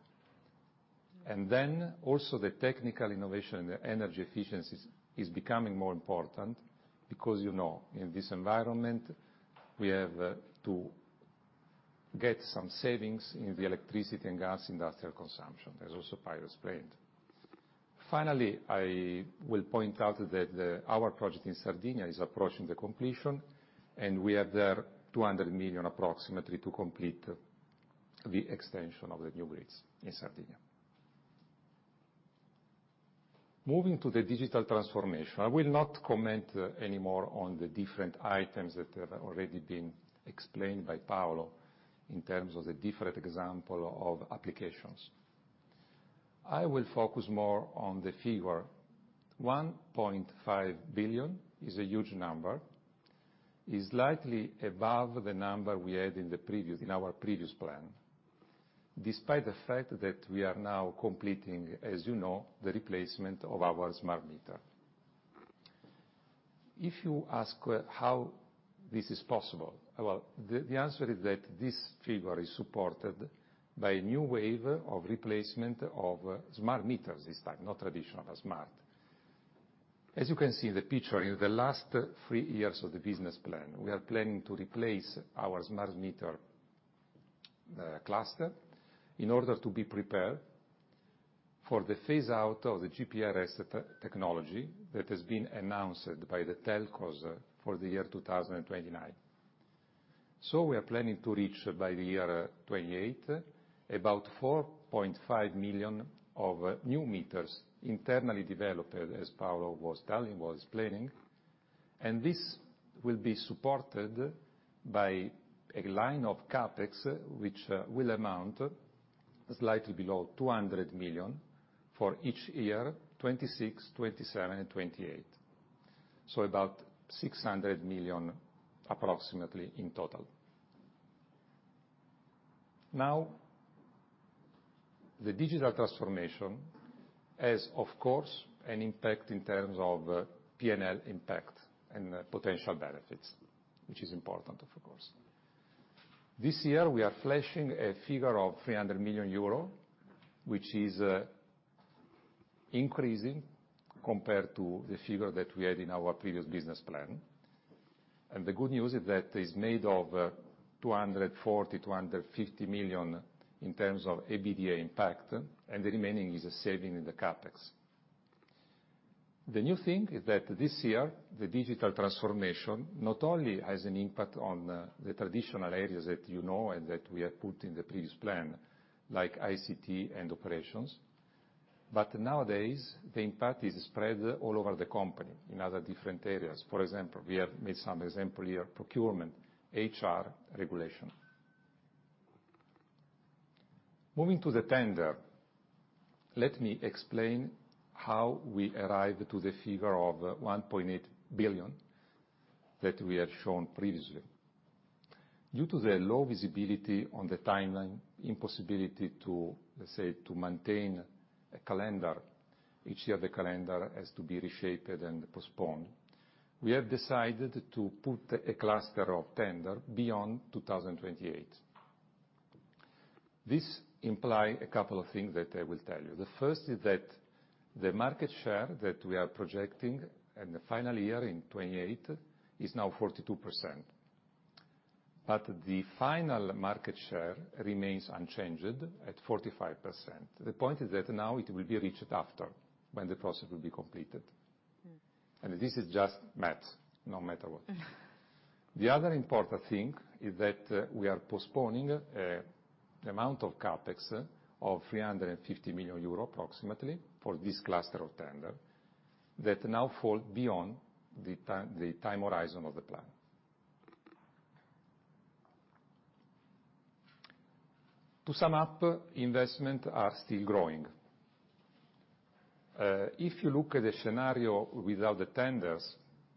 Also the technical innovation and the energy efficiencies is becoming more important because, you know, in this environment, we have to get some savings in the electricity and gas industrial consumption, as also Paolo explained. Finally, I will point out that our project in Sardinia is approaching the completion, and we have there approximately 200 million to complete the extension of the new grids in Sardinia. Moving to the digital transformation, I will not comment anymore on the different items that have already been explained by Paolo in terms of the different example of applications. I will focus more on the figure. 1.5 billion is a huge number. It's slightly above the number we had in the previous, in our previous plan, despite the fact that we are now completing, as you know, the replacement of our smart meter. If you ask how this is possible, well, the answer is that this figure is supported by a new wave of replacement of smart meters this time, not traditional, but smart. As you can see in the picture, in the last three years of the business plan, we are planning to replace our smart meter cluster in order to be prepared for the phase out of the GPRS technology that has been announced by the telcos for the year 2029. We are planning to reach by the year 2028, about 4.5 million of new meters internally developed, as Paolo was explaining. This will be supported by a line of CapEx, which will amount slightly below 200 million for each year 2026, 2027, and 2028. About 600 million approximately in total. Now, the digital transformation has, of course, an impact in terms of P&L impact and potential benefits, which is important, of course. This year we are flashing a figure of 300 million euro, which is increasing compared to the figure that we had in our previous business plan. The good news is that is made of 240 million-250 million in terms of EBITDA impact, and the remaining is a saving in the CapEx. The new thing is that this year, the digital transformation not only has an impact on the traditional areas that you know and that we have put in the previous plan, like ICT and operations, but nowadays the impact is spread all over the company in other different areas. For example, we have made some example here, procurement, HR, regulation. Moving to the tender, let me explain how we arrived to the figure of 1.8 billion that we have shown previously. Due to the low visibility on the timeline, impossibility to, let's say, to maintain a calendar, each year the calendar has to be reshaped and postponed, we have decided to put a cluster of tender beyond 2028. This imply a couple of things that I will tell you. The first is that the market share that we are projecting in the final year, in 2028, is now 42%. But the final market share remains unchanged at 45%. The point is that now it will be reached after, when the process will be completed. And this is just math, no matter what. The other important thing is that we are postponing the amount of CapEx of 350 million euro approximately for this cluster of tender that now fall beyond the time, the time horizon of the plan. To sum up, investment are still growing. If you look at the scenario without the tenders,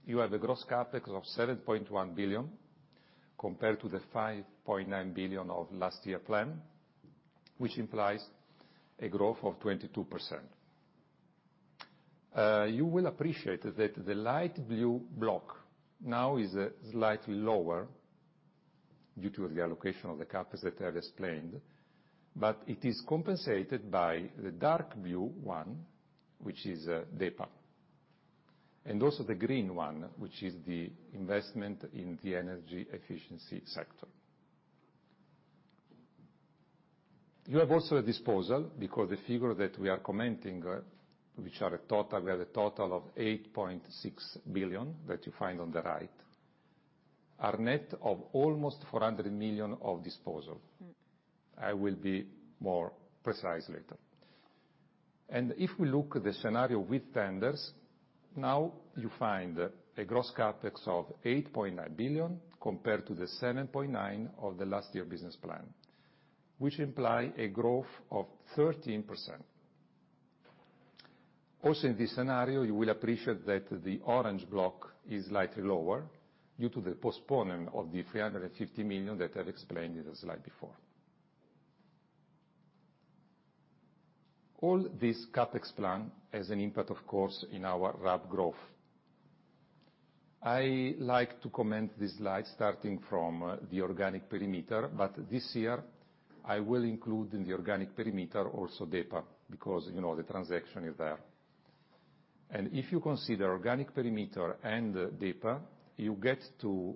you have a gross CapEx of 7.1 billion, compared to the 5.9 billion of last year plan, which implies a growth of 22%. You will appreciate that the light blue block now is slightly lower due to the allocation of the CapEx that I explained, but it is compensated by the dark blue one, which is, DEPA. The green one, which is the investment in the energy efficiency sector. You have also a disposal, because the figure that we are commenting, which are a total, we have a total of 8.6 billion that you find on the right, are net of almost 400 million of disposal. Mm. I will be more precise later. If we look at the scenario with tenders, now you find a gross CapEx of 8.9 billion compared to the 7.9 of the last year business plan, which imply a growth of 13%. Also in this scenario, you will appreciate that the orange block is slightly lower due to the postponement of the 350 million that I've explained in the slide before. All this CapEx plan has an impact, of course, in our RAB growth. I like to comment this slide starting from the organic perimeter, but this year I will include in the organic perimeter also DEPA, because, you know, the transaction is there. If you consider organic perimeter and DEPA, you get to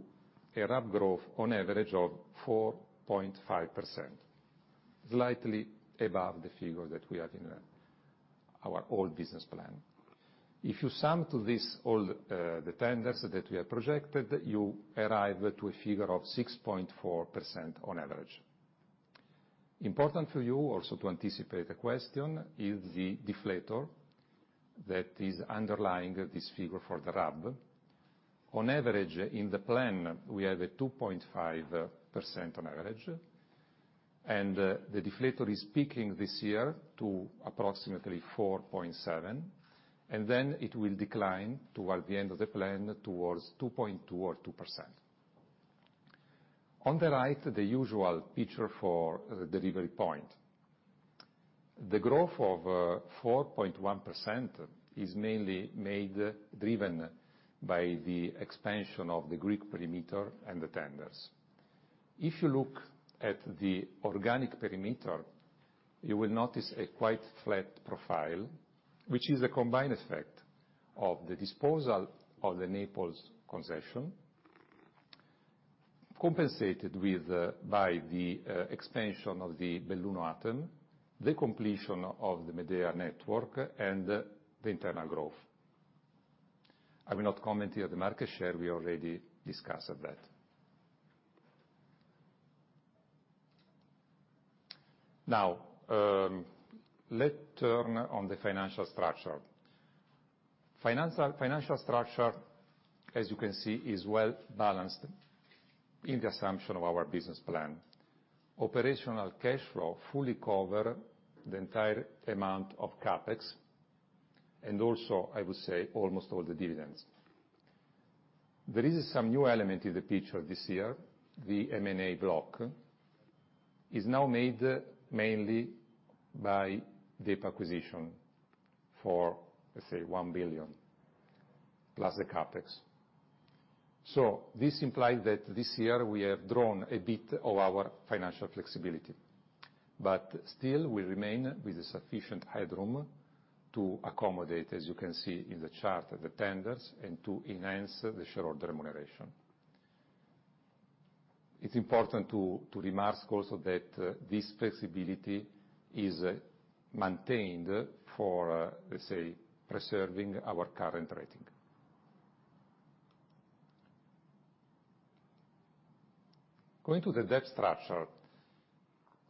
a RAB growth on average of 4.5%, slightly above the figure that we had in our old business plan. If you sum to this all, the tenders that we have projected, you arrive to a figure of 6.4% on average. Important for you also to anticipate a question is the deflator that is underlying this figure for the RAB. On average, in the plan, we have a 2.5% on average, and the deflator is peaking this year to approximately 4.7%, and then it will decline toward the end of the plan towards 2.2% or 2%. On the right, the usual picture for the delivery point. The growth of 4.1% is mainly driven by the expansion of the Greek perimeter and the tenders. If you look at the organic perimeter, you will notice a quite flat profile, which is a combined effect of the disposal of the Naples concession, compensated by the expansion of the Atem Belluno, the completion of the Medea network, and the internal growth. I will not comment here the market share, we already discussed that. Now, let's turn on the financial structure. Financial structure, as you can see, is well-balanced in the assumption of our business plan. Operational cash flow fully cover the entire amount of CapEx, and also, I would say, almost all the dividends. There is some new element in the picture this year, the M&A block is now made mainly by DEPA acquisition for, let's say, 1 billion plus the CapEx. This implies that this year we have drawn a bit of our financial flexibility, but still we remain with a sufficient headroom to accommodate, as you can see in the chart, the tenders and to enhance the shareholder remuneration. It's important to remark also that this flexibility is maintained for, let's say, preserving our current rating. Going to the debt structure.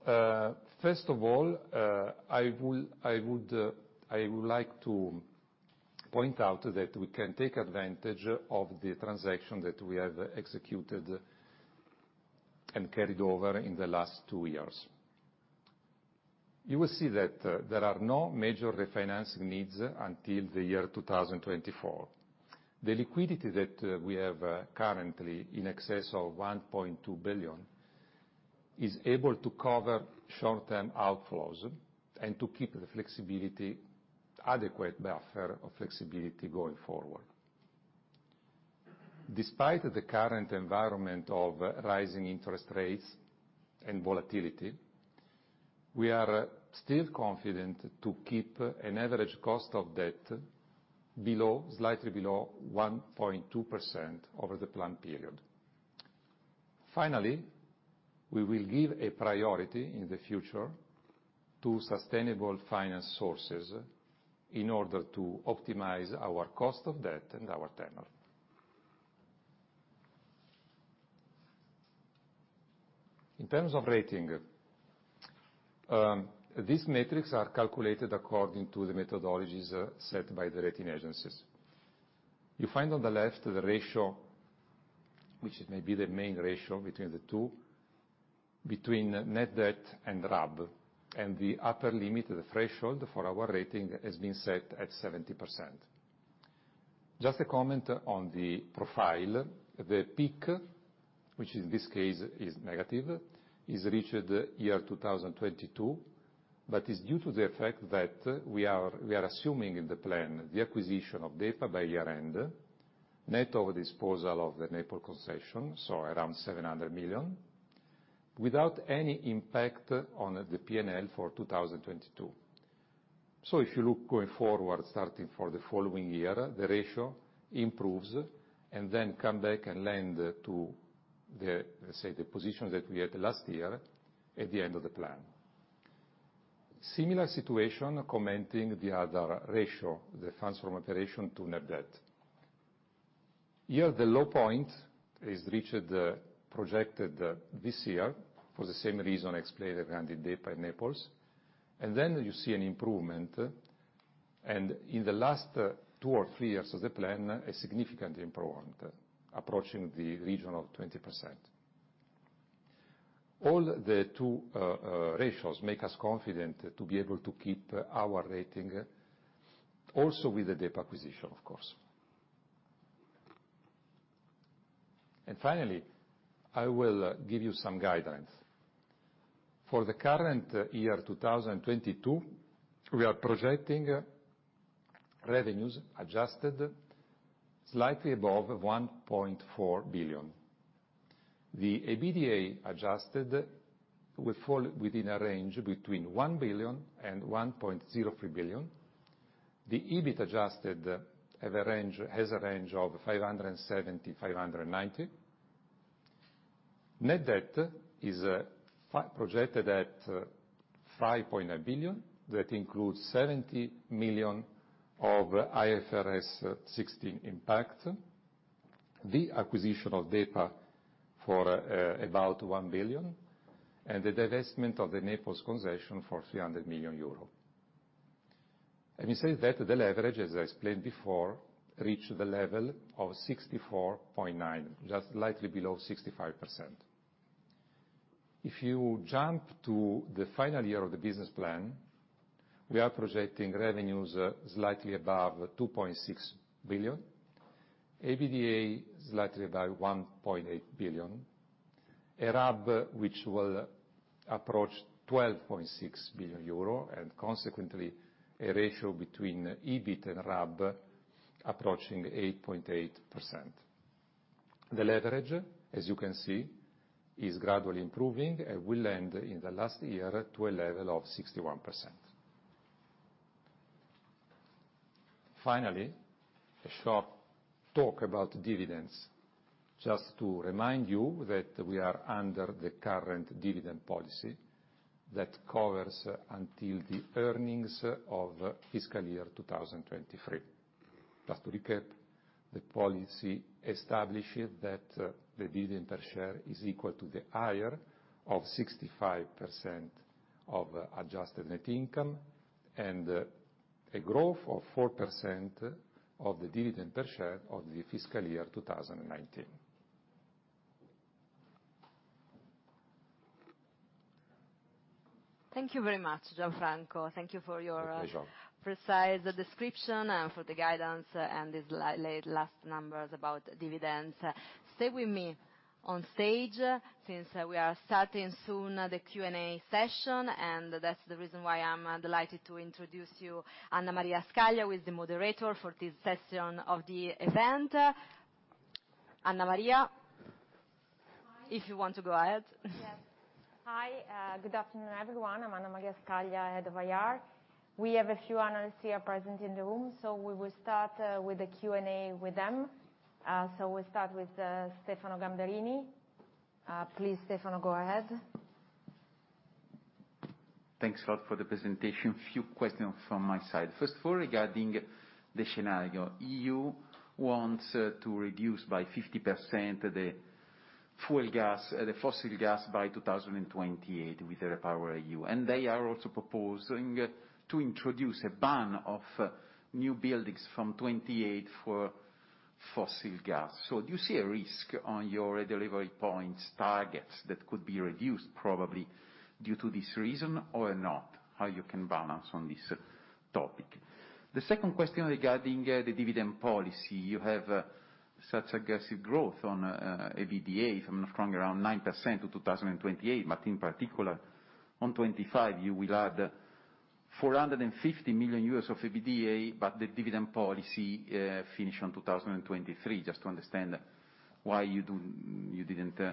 First of all, I would like to point out that we can take advantage of the transaction that we have executed and carried over in the last two years. You will see that there are no major refinancing needs until the year 2024. The liquidity that we have currently in excess of 1.2 billion is able to cover short-term outflows and to keep the flexibility adequate buffer of flexibility going forward. Despite the current environment of rising interest rates and volatility, we are still confident to keep an average cost of debt below, slightly below 1.2% over the plan period. Finally, we will give a priority in the future to sustainable finance sources in order to optimize our cost of debt and our tenor. In terms of rating, these metrics are calculated according to the methodologies set by the rating agencies. You find on the left the ratio, which may be the main ratio between the two, between net debt and RAB, and the upper limit of the threshold for our rating has been set at 70%. Just a comment on the profile. The peak, which in this case is negative, is reached in 2022, but is due to the effect that we are assuming in the plan the acquisition of DEPA by year-end, net of disposal of the Naples concession, so around 700 million, without any impact on the P&L for 2022. If you look going forward, starting for the following year, the ratio improves and then come back and land to the, let's say, the position that we had last year at the end of the plan. Similar situation commenting the other ratio, the funds from operation to net debt. Here, the low point is reached projected this year for the same reason I explained regarding DEPA and Naples. You see an improvement, and in the last two or three years of the plan, a significant improvement approaching the region of 20%. All the two ratios make us confident to be able to keep our rating also with the DEPA acquisition, of course. Finally, I will give you some guidance. For the current year, 2022, we are projecting revenues adjusted slightly above 1.4 billion. The EBITDA adjusted will fall within a range between 1 billion and 1.03 billion. The EBIT adjusted has a range of 570-590. Net debt is projected at 5 billion. That includes 70 million of IFRS 16 impact, the acquisition of DEPA for about 1 billion, and the divestment of the Naples concession for 300 million euro. We say that the leverage, as I explained before, reached the level of 64.9, just slightly below 65%. If you jump to the final year of the business plan, we are projecting revenues slightly above 2.6 billion, EBITDA slightly above 1.8 billion, a RAB which will approach 12.6 billion euro and consequently a ratio between EBIT and RAB approaching 8.8%. The leverage, as you can see, is gradually improving and will end in the last year to a level of 61%. Finally, a short talk about dividends. Just to remind you that we are under the current dividend policy that covers until the earnings of fiscal year 2023. Just to recap, the policy establishes that the dividend per share is equal to the higher of 65% of adjusted net income and a growth of 4% of the dividend per share of the fiscal year 2019. Thank you very much, Gianfranco. Thank you for your My pleasure. Precise description and for the guidance and these last numbers about dividends. Stay with me. On stage, since we are starting soon the Q&A session, and that's the reason why I'm delighted to introduce you to Anna Maria Scaglia, who is the moderator for this session of the event. Anna Maria. Hi. If you want to go ahead. Yes. Hi, good afternoon, everyone. I'm Anna Maria Scaglia, Head of IR. We have a few analysts here present in the room, so we will start with the Q&A with them. We'll start with Stefano Gamberini. Please, Stefano, go ahead. Thanks a lot for the presentation. Few questions from my side. First of all, regarding the scenario. EU wants to reduce by 50% the fuel gas, the fossil gas by 2028 with the REPowerEU, and they are also proposing to introduce a ban of new buildings from 2028 for fossil gas. Do you see a risk on your delivery points targets that could be reduced probably due to this reason or not? How you can balance on this topic? The second question regarding the dividend policy. You have such aggressive growth on EBITDA, if I'm not wrong, around 9% to 2028, but in particular, on 2025 you will add 450 million euros of EBITDA, but the dividend policy finish on 2023. Just to understand why you didn't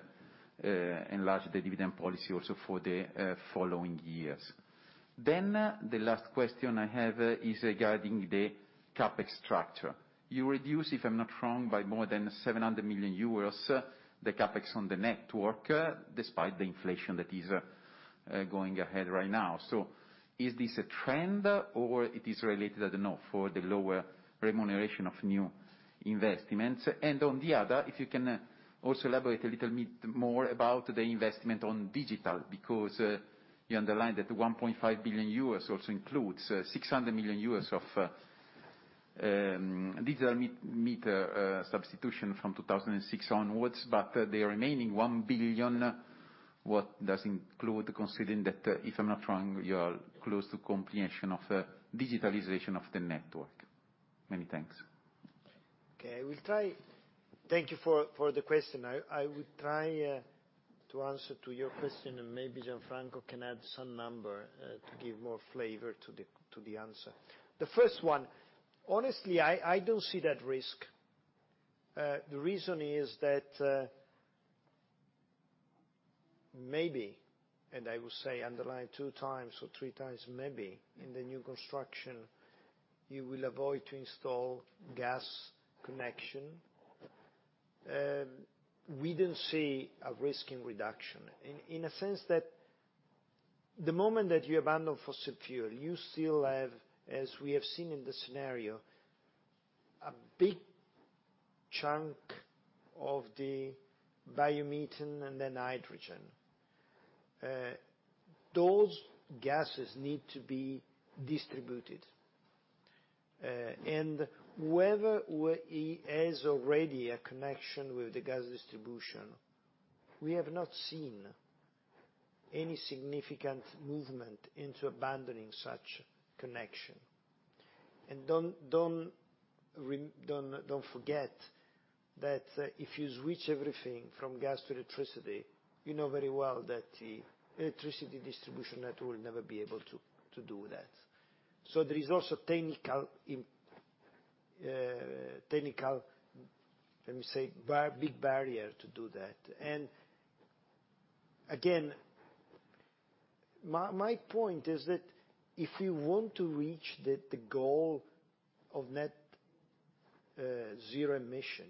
enlarge the dividend policy also for the following years. The last question I have is regarding the CapEx structure. You reduce, if I'm not wrong, by more than 700 million euros the CapEx on the network, despite the inflation that is going ahead right now. Is this a trend or it is related, I don't know, for the lower remuneration of new investments? On the other, if you can also elaborate a little bit more about the investment on digital, because you underlined that 1.5 billion euros also includes 600 million euros of digital meter substitution from 2006 onwards, but the remaining 1 billion, what does include, considering that, if I'm not wrong, you are close to completion of digitalization of the network. Many thanks. Thank you for the question. I will try to answer to your question and maybe Gianfranco can add some number to give more flavor to the answer. The first one, honestly, I don't see that risk. The reason is that, maybe, and I will say underline two times or three times maybe, in the new construction, you will avoid to install gas connection. We don't see a risk in reduction in a sense that the moment that you abandon fossil fuel, you still have, as we have seen in the scenario, a big chunk of the biomethane and then hydrogen. Those gases need to be distributed. And where there is already a connection with the gas distribution, we have not seen any significant movement into abandoning such connection. Don't forget that if you switch everything from gas to electricity, you know very well that the electricity distribution network will never be able to do that. There is also technical, let me say, big barrier to do that. Again, my point is that if you want to reach the goal of net zero emission,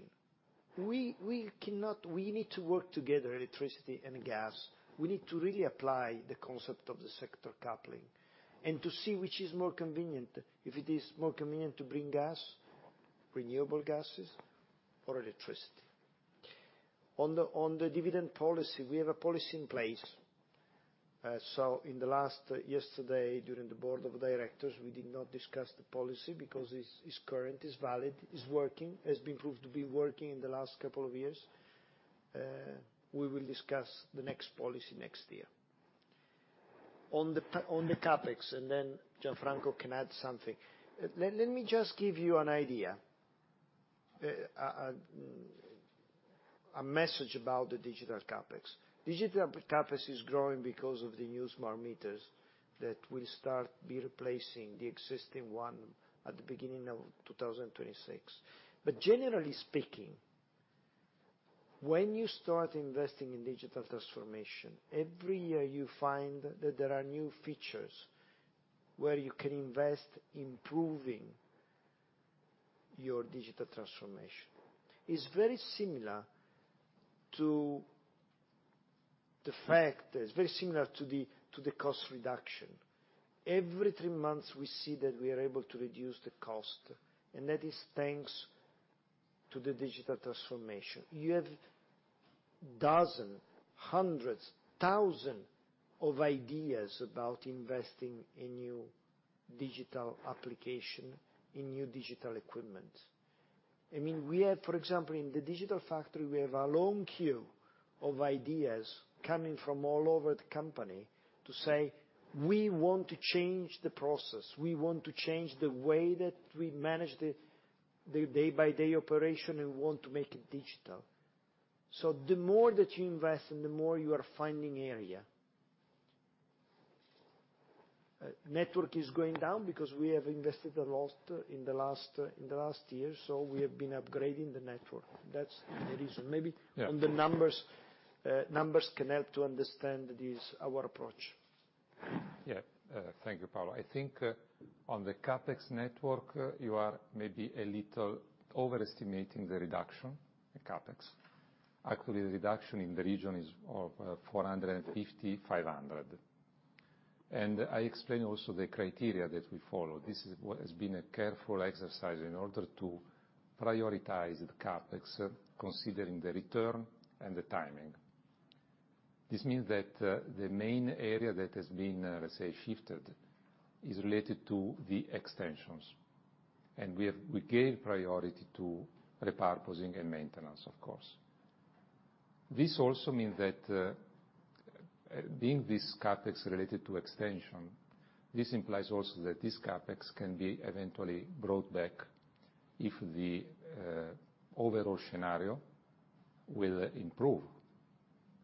we cannot. We need to work together, electricity and gas. We need to really apply the concept of the sector coupling and to see which is more convenient, if it is more convenient to bring gas, renewable gases or electricity. On the dividend policy, we have a policy in place. Just yesterday, during the board of directors, we did not discuss the policy because it's current, it's valid, it's working. It has been proved to be working in the last couple of years. We will discuss the next policy next year. On the CapEx, and then Gianfranco can add something. Let me just give you an idea, a message about the digital CapEx. Digital CapEx is growing because of the new smart meters that will start being replacing the existing one at the beginning of 2026. Generally speaking, when you start investing in digital transformation, every year you find that there are new features where you can invest improving your digital transformation. It's very similar to the cost reduction. Every three months, we see that we are able to reduce the cost, and that is thanks to the digital transformation. You have dozens, hundreds, thousands of ideas about investing in new digital application, in new digital equipment. I mean, we have, for example, in the digital factory, we have a long queue of ideas coming from all over the company to say, "We want to change the process. We want to change the way that we manage the day-to-day operation, we want to make it digital." The more that you invest and the more you are finding areas. Network is going down because we have invested a lot in the last year, so we have been upgrading the network. That's the reason. Maybe. Yeah. On the numbers. Numbers can help to understand this, our approach. Yeah. Thank you, Paolo. I think on the CapEx network, you are maybe a little overestimating the reduction in CapEx. Actually, the reduction in the region is of 450-500. I explained also the criteria that we follow. This is what has been a careful exercise in order to prioritize the CapEx, considering the return and the timing. This means that the main area that has been, let's say, shifted is related to the extensions, and we gave priority to repurposing and maintenance, of course. This also means that being this CapEx related to extension, this implies also that this CapEx can be eventually brought back if the overall scenario will improve,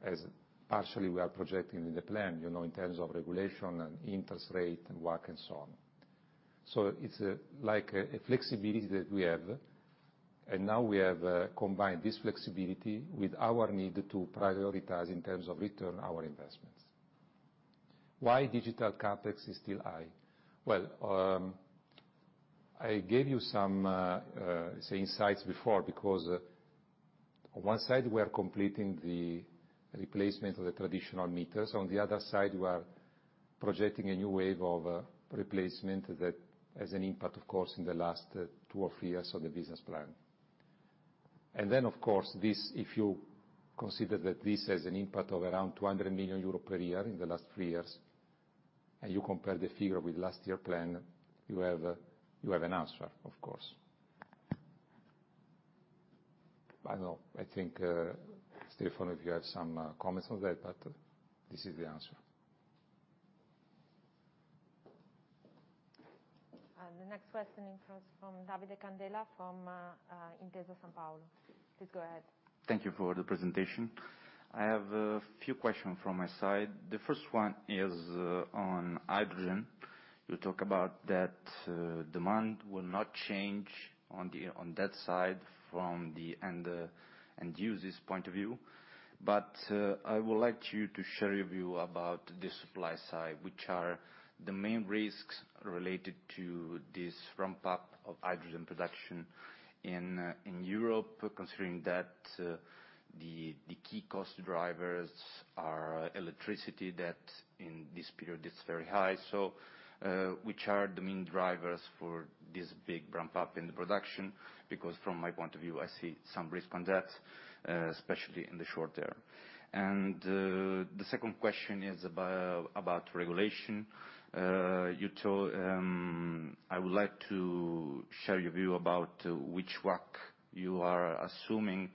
as partially we are projecting in the plan, you know, in terms of regulation and interest rate and WACC and so on. It's a, like a flexibility that we have, and now we have combined this flexibility with our need to prioritize in terms of return our investments. Why digital CapEx is still high? I gave you some insights before because on one side we are completing the replacement of the traditional meters, on the other side we are projecting a new wave of replacement that has an impact, of course, in the last two or three years of the business plan. Of course, this, if you consider that this has an impact of around 200 million euro per year in the last three years, and you compare the figure with last year plan, you have an answer, of course. I don't know. I think, Stefano, if you have some comments on that, but this is the answer. The next question comes from Davide Candela from Intesa Sanpaolo. Please go ahead. Thank you for the presentation. I have a few question from my side. The first one is on hydrogen. You talk about that demand will not change on that side from the end users' point of view. I would like you to share your view about the supply side. Which are the main risks related to this ramp up of hydrogen production in Europe, considering that the key cost drivers are electricity that in this period is very high? Which are the main drivers for this big ramp up in the production? Because from my point of view, I see some risk on that especially in the short term. The second question is about regulation. You told I would like to hear your view about which WACC you are assuming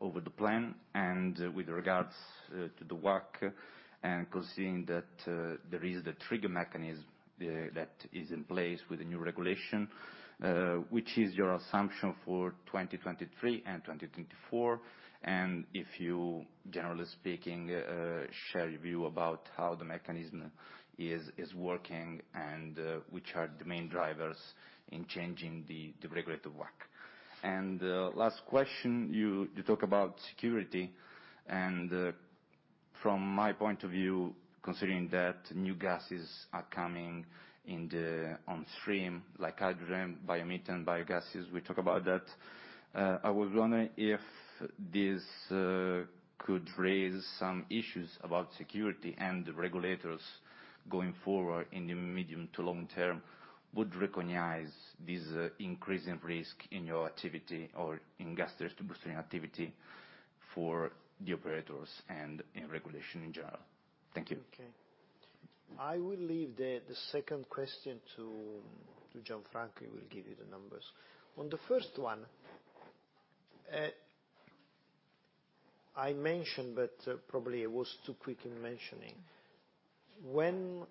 over the plan, and with regard to the WACC, and considering that there is the trigger mechanism that is in place with the new regulation, which is your assumption for 2023 and 2024? If you, generally speaking, hear your view about how the mechanism is working, and which are the main drivers in changing the regulatory WACC. Last question, you talk about security, and from my point of view, considering that new gases are coming on stream, like hydrogen, biomethane, biogas, we talk about that, I was wondering if this could raise some issues about security and regulators going forward in the medium to long term would recognize this increasing risk in your activity or in gas distribution activity for the operators and in regulation in general. Thank you. Okay. I will leave the second question to Gianfranco. He will give you the numbers. On the first one, I mentioned, but probably I was too quick in mentioning, when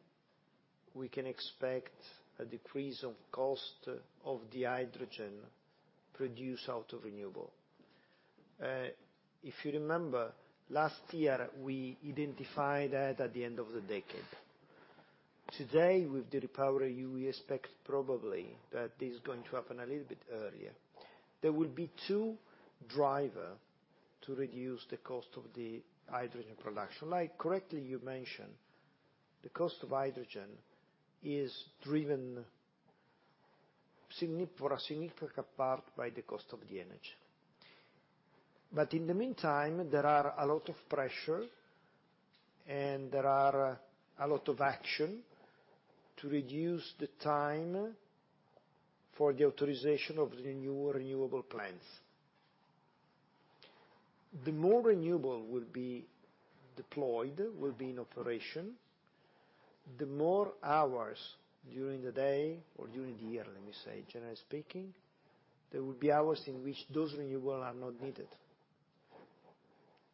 we can expect a decrease of cost of the hydrogen produced out of renewable. If you remember, last year we identified that at the end of the decade. Today, with the REPowerEU, we expect probably that is going to happen a little bit earlier. There will be two driver to reduce the cost of the hydrogen production. Like correctly you mention, the cost of hydrogen is driven for a significant part by the cost of the energy. But in the meantime, there are a lot of pressure and there are a lot of action to reduce the time for the authorization of the new renewable plants. The more renewable will be deployed, will be in operation, the more hours during the day or during the year, let me say, generally speaking, there will be hours in which those renewable are not needed.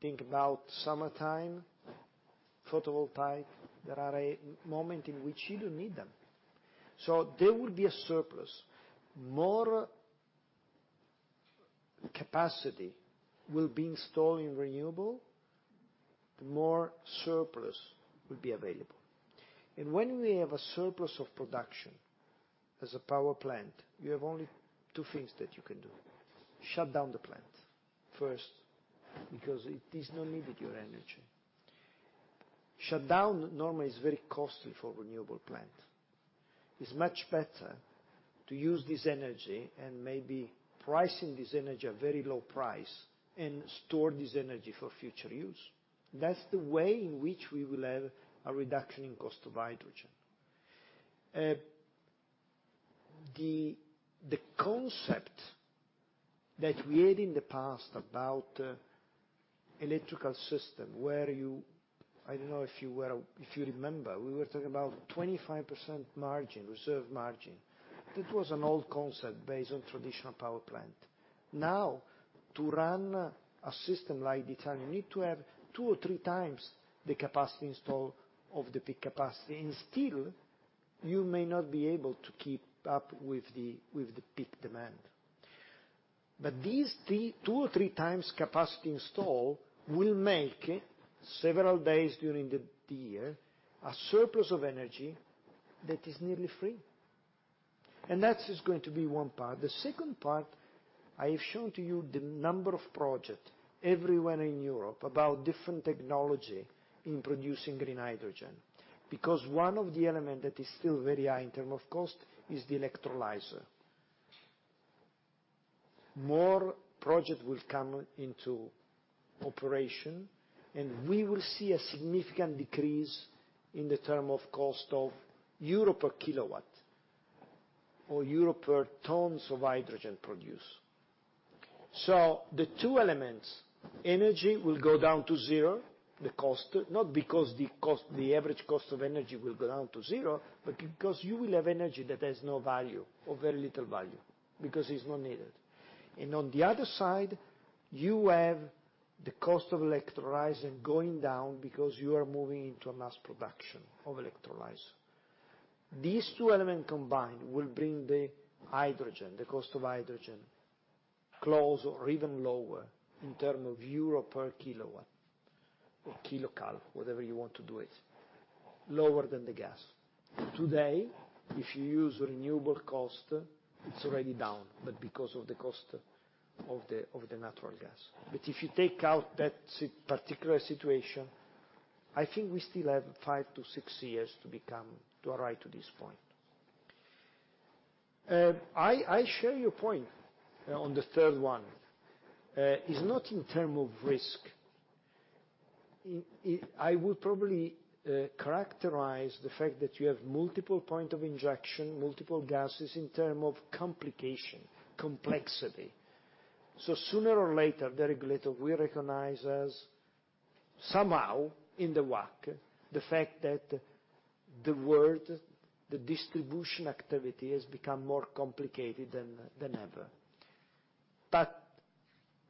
Think about summertime, photovoltaic. There are a moment in which you don't need them. There will be a surplus. More capacity will be installed in renewable, the more surplus will be available. When we have a surplus of production, as a power plant, you have only two things that you can do. Shut down the plant, first, because it is not needed, your energy. Shut down normally is very costly for renewable plant. It's much better to use this energy and maybe pricing this energy a very low price and store this energy for future use. That's the way in which we will have a reduction in cost of hydrogen. The concept that we had in the past about electrical system, I don't know if you remember, we were talking about 25% reserve margin. That was an old concept based on traditional power plant. Now, to run a system like this one, you need to have two or three times the installed capacity of the peak capacity, and still, you may not be able to keep up with the peak demand. These two or three times installed capacity will make, several days during the year, a surplus of energy that is nearly free. That is going to be one part. The second part, I have shown to you the number of projects everywhere in Europe about different technologies in producing green hydrogen, because one of the elements that is still very high in terms of cost is the electrolyzer. More projects will come into operation, and we will see a significant decrease in the terms of cost of EUR per kilowatt or EUR per ton of hydrogen produced. The two elements, energy will go down to zero, the cost, not because the cost, the average cost of energy will go down to zero, but because you will have energy that has no value or very little value because it's not needed. On the other side, you have the cost of electrolyzer going down because you are moving into a mass production of electrolyzer. These two elements combined will bring the hydrogen, the cost of hydrogen, close or even lower in terms of EUR per kilowatt or kcal, whatever you want to do it, lower than the gas. Today, if you use renewable costs, it's already down, but because of the cost of the natural gas. If you take out that particular situation, I think we still have 5-6 years to arrive to this point. I share your point on the third one. It's not in terms of risk. It I would probably characterize the fact that you have multiple points of injection, multiple gases in terms of complication, complexity. Sooner or later, the regulator will recognize as somehow in the WACC, the fact that the whole distribution activity has become more complicated than ever.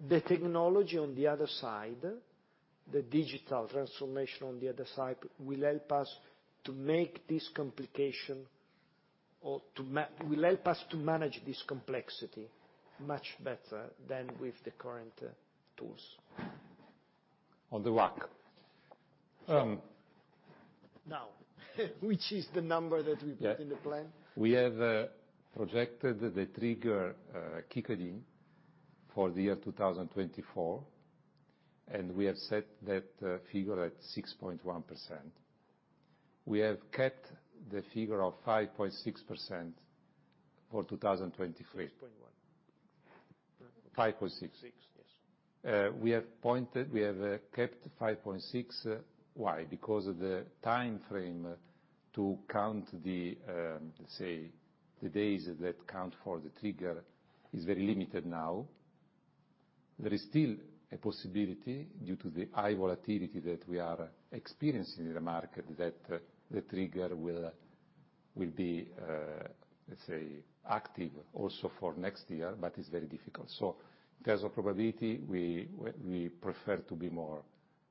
The technology on the other side, the digital transformation on the other side, will help us to manage this complexity much better than with the current tools. On the WACC. Now, which is the number that we put in the plan? We have projected the trigger kick in for the year 2024, and we have set that figure at 6.1%. We have kept the figure of 5.6% for 2023. 6.1%. 5.6%. six, yes. We have kept 5.6%. Why? Because of the timeframe to count the, let's say, the days that count for the trigger is very limited now. There is still a possibility, due to the high volatility that we are experiencing in the market, that the trigger will be, let's say, active also for next year, but it's very difficult. In terms of probability, we prefer to be more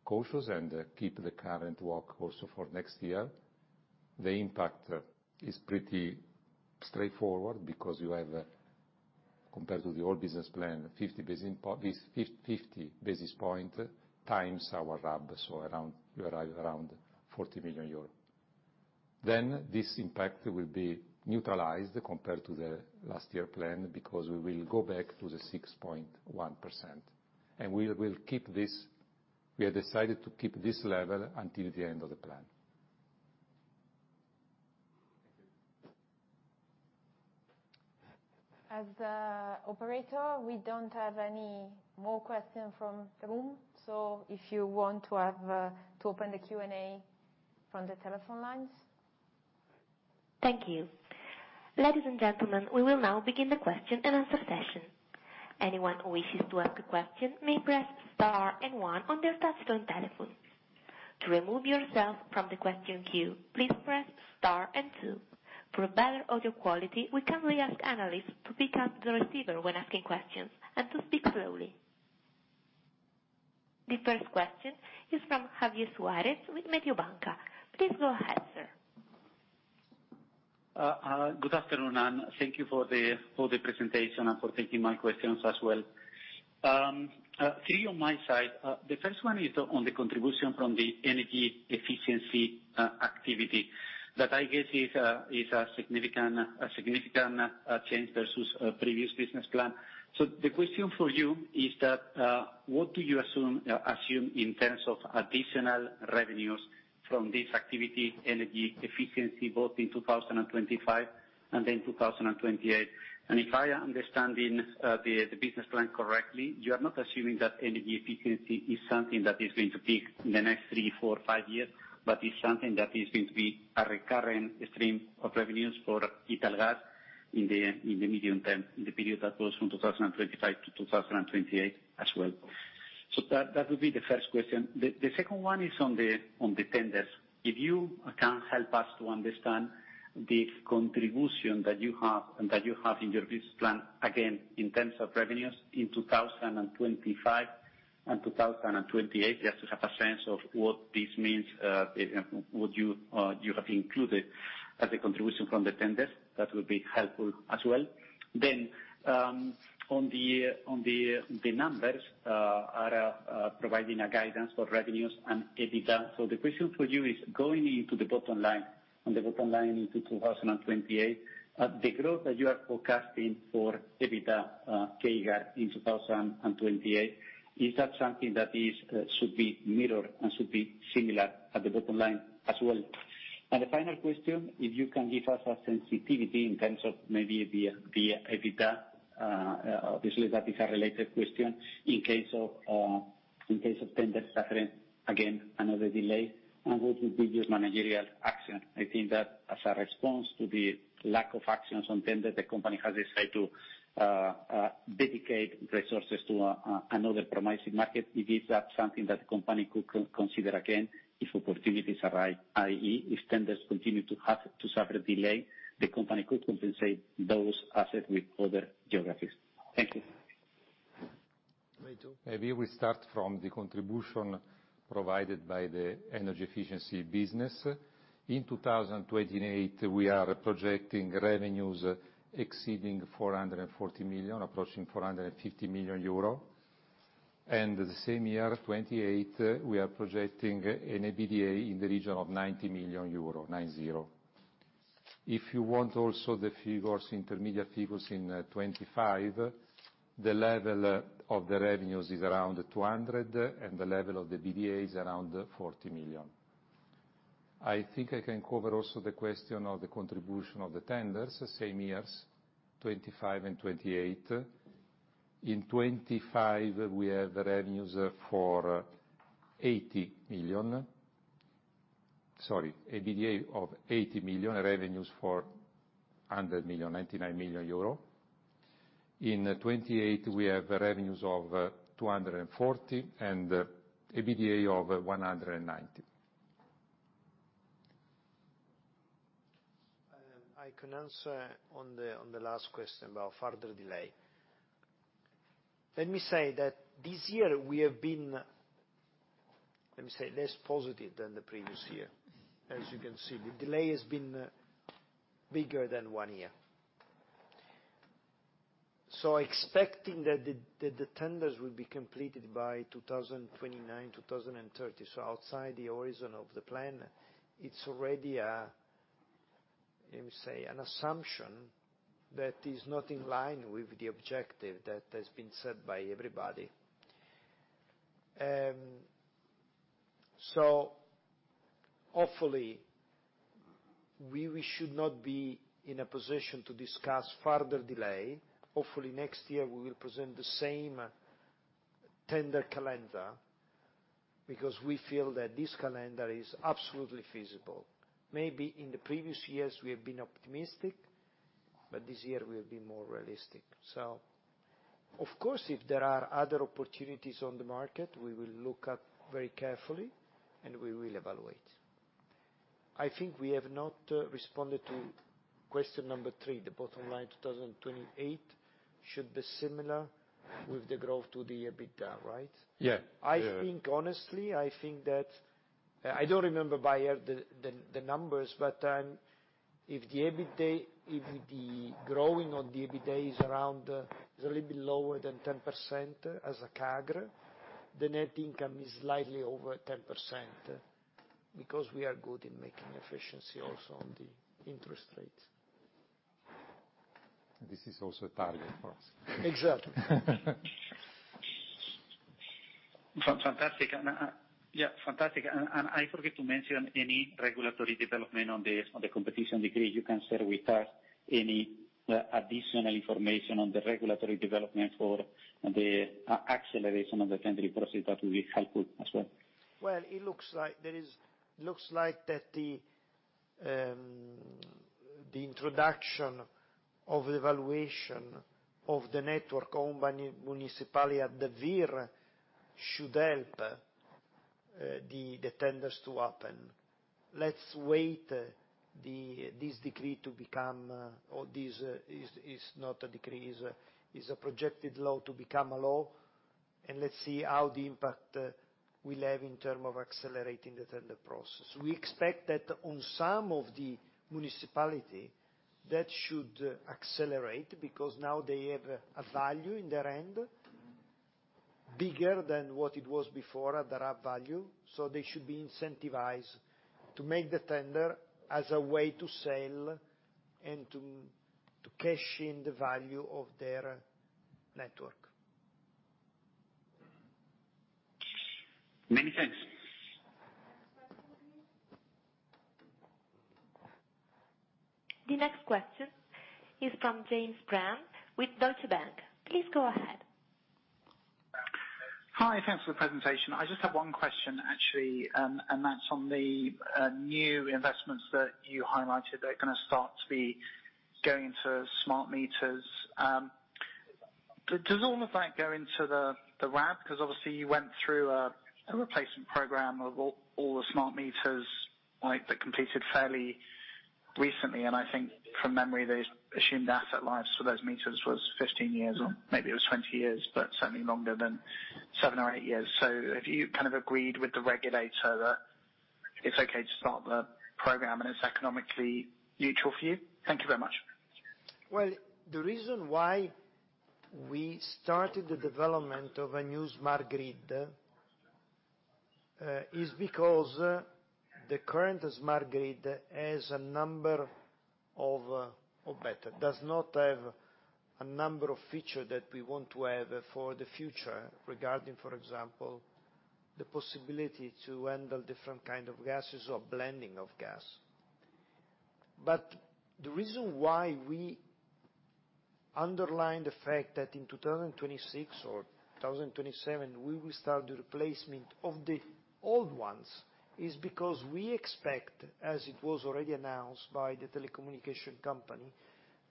cautious and keep the current WACC also for next year. The impact is pretty straightforward because you have, compared to the old business plan, 50 basis points times our RAB, so around, you arrive around 40 million euros. This impact will be neutralized compared to the last year plan because we will go back to the 6.1%. We will keep this. We have decided to keep this level until the end of the plan. As the operator, we don't have any more questions from the room, so if you want to open the Q&A from the telephone lines. Thank you. Ladies and gentlemen, we will now begin the question and answer session. Anyone who wishes to ask a question may press star and one on their touch-tone telephone. To remove yourself from the question queue, please press star and two. For better audio quality, we kindly ask analysts to pick up the receiver when asking questions and to speak slowly. The first question is from Javier Suárez with Mediobanca. Please go ahead, sir. Good afternoon, and thank you for the presentation and for taking my questions as well. Three on my side. The first one is on the contribution from the energy efficiency activity, that I guess is a significant change versus previous business plan. The question for you is that, what do you assume in terms of additional revenues from this activity, energy efficiency, both in 2025 and then 2028? If I am understanding the business plan correctly, you are not assuming that energy efficiency is something that is going to peak in the next three, four, five years, but is something that is going to be a recurring stream of revenues for Italgas in the medium term, in the period that goes from 2025 to 2028 as well. That would be the first question. The second one is on the tenders. If you can help us to understand the contribution that you have, and that you have in your business plan, again, in terms of revenues in 2025 and 2028, just to have a sense of what this means, what you have included as a contribution from the tenders, that would be helpful as well. On the numbers you are providing guidance for revenues and EBITDA. The question for you is going into the bottom line, on the bottom line into 2028, the growth that you are forecasting for EBITDA, CAGR in 2028, is that something that should be mirrored and should be similar at the bottom line as well? The final question, if you can give us a sensitivity in terms of maybe the EBITDA, obviously that is a related question, in case of tenders suffering again another delay, and what would be just managerial action. I think that as a response to the lack of actions on tender, the company has decided to dedicate resources to another promising market. Is this something that the company could consider again if opportunities arise, i.e., if tenders continue to have to suffer delay, the company could compensate those assets with other geographies. Thank you. Vito? Maybe we start from the contribution provided by the energy efficiency business. In 2028, we are projecting revenues exceeding 440 million, approaching 450 million euro. The same year, 2028, we are projecting an EBITDA in the region of 90 million euro. If you want also the figures, intermediate figures in 2025, the level of the revenues is around 200, and the level of the EBITDA is around 40 million. I think I can cover also the question of the contribution of the tenders, same years, 2025 and 2028. In 2025, we have revenues for 80 million. Sorry, EBITDA of 80 million, revenues for 100 million, 99 million euro. In 2028, we have revenues of 240 million and EBITDA of 190 million. I can answer on the last question about further delay. Let me say that this year we have been, let me say, less positive than the previous year. As you can see, the delay has been bigger than 1 year. Expecting that the tenders will be completed by 2029-2030, so outside the horizon of the plan, it's already a, let me say, an assumption that is not in line with the objective that has been set by everybody. Hopefully we should not be in a position to discuss further delay. Hopefully next year we will present the same tender calendar, because we feel that this calendar is absolutely feasible. Maybe in the previous years, we have been optimistic, but this year we'll be more realistic. Of course, if there are other opportunities on the market, we will look at very carefully and we will evaluate. I think we have not responded to question number three, the bottom line 2028 should be similar with the growth to the EBITDA, right? Yeah. Yeah. I think, honestly, that I don't remember by heart the numbers, but if the EBITDA growth in the EBITDA is a little bit lower than 10% as a CAGR, the net income is slightly over 10%, because we are good in making efficiency also on the interest rates. This is also a target for us. Exactly. Fantastic. Yeah, fantastic. I forget to mention any regulatory development on the competition decree. You can share with us any additional information on the regulatory development for the acceleration of the tendering process. That will be helpful as well. Well, it looks like the introduction of evaluation of the network owned by municipality at the VIR should help the tenders to happen. Let's wait for this decree to become, or this is not a decree, it is a proposed law to become a law, and let's see how the impact will have in terms of accelerating the tender process. We expect that in some of the municipalities that should accelerate because now they have a value in their hands bigger than what it was before at the book value. They should be incentivized to make the tender as a way to sell and to cash in the value of their network. Many thanks. Next question, please. The next question is from James Brand with Deutsche Bank. Please go ahead. Hi. Thanks for the presentation. I just have one question, actually, and that's on the new investments that you highlighted that are gonna start to be going into smart meters. Does all of that go into the RAB? Because obviously you went through a replacement program of all the smart meters, right, that completed fairly recently, and I think from memory, those assumed asset lives for those meters was 15 years or maybe it was 20 years, but certainly longer than 7 or 8 years. Have you kind of agreed with the regulator that it's okay to start the program and it's economically neutral for you? Thank you very much. Well, the reason why we started the development of a new smart grid is because the current smart grid does not have a number of features that we want to have for the future regarding, for example, the possibility to handle different kind of gases or blending of gas. The reason why we underline the fact that in 2026 or 2027, we will start the replacement of the old ones is because we expect, as it was already announced by the telecommunication company,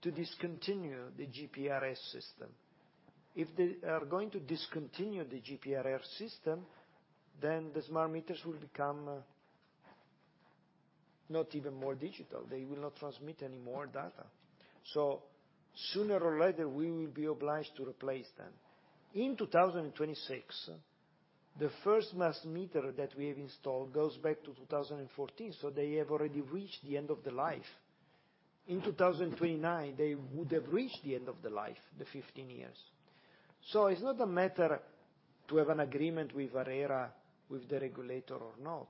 to discontinue the GPRS system. If they are going to discontinue the GPRS system, then the smart meters will become not even more digital. They will not transmit any more data. Sooner or later, we will be obliged to replace them. In 2026, the first gas meters that we have installed go back to 2014, so they have already reached the end of the life. In 2029, they would have reached the end of the life, the 15 years. It's not a matter to have an agreement with ARERA, with the regulator or not.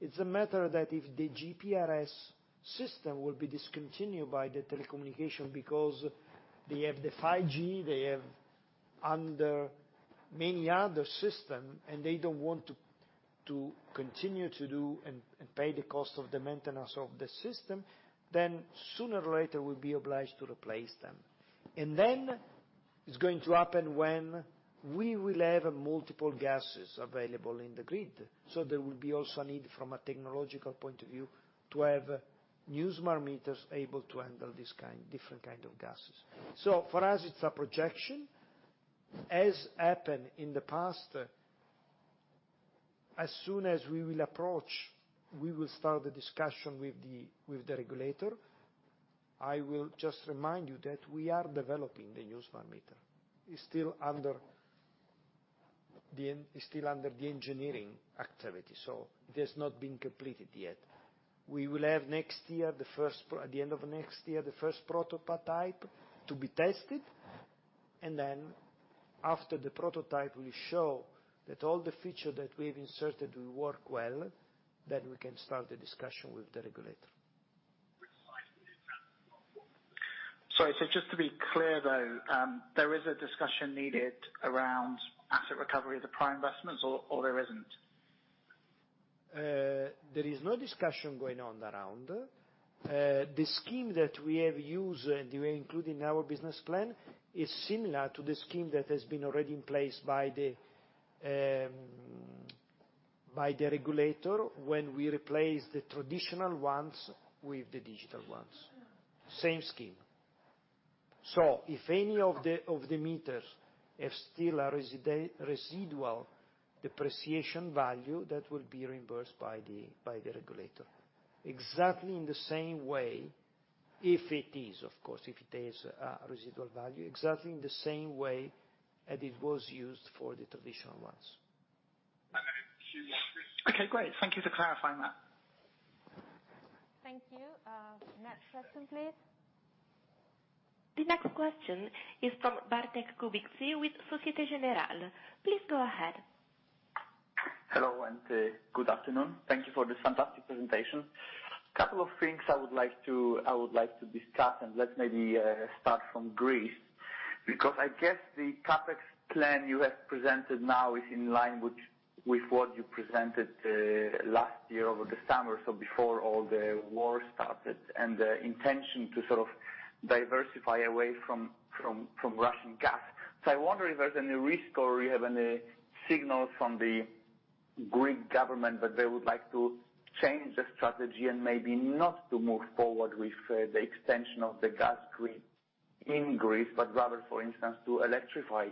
It's a matter that if the GPRS system will be discontinued by the telecommunication because they have the 5G, they have many other systems, and they don't want to continue to do and pay the cost of the maintenance of the system, then sooner or later we'll be obliged to replace them. It's going to happen when we will have multiple gases available in the grid. There will be also a need from a technological point of view to have new smart meters able to handle this different kind of gases. For us, it's a projection. As happened in the past, as soon as we will approach, we will start the discussion with the regulator. I will just remind you that we are developing the new smart meter. It's still under the engineering activity, so it has not been completed yet. We will have next year at the end of next year, the first prototype to be tested. After the prototype will show that all the feature that we've inserted will work well, then we can start the discussion with the regulator. Sorry. Just to be clear, though, there is a discussion needed around asset recovery of the prior investments or there isn't? There is no discussion going on around. The scheme that we have used and we include in our business plan is similar to the scheme that has been already in place by the regulator when we replaced the traditional ones with the digital ones. Same scheme. If any of the meters have still a residual depreciation value, that will be reimbursed by the regulator. Exactly in the same way, if it is, of course, if it has a residual value, exactly in the same way that it was used for the traditional ones. Okay, great. Thank you for clarifying that. Thank you. Next question, please. The next question is from Bartłomiej Kubicki with Société Générale. Please go ahead. Hello, good afternoon. Thank you for this fantastic presentation. Couple of things I would like to discuss. Let's maybe start from Greece. Because I guess the CapEx plan you have presented now is in line with what you presented last year over the summer, so before all the war started, and the intention to sort of diversify away from Russian gas. I wonder if there's any risk or you have any signals from the Greek government that they would like to change the strategy and maybe not to move forward with the extension of the gas grid in Greece, but rather, for instance, to electrify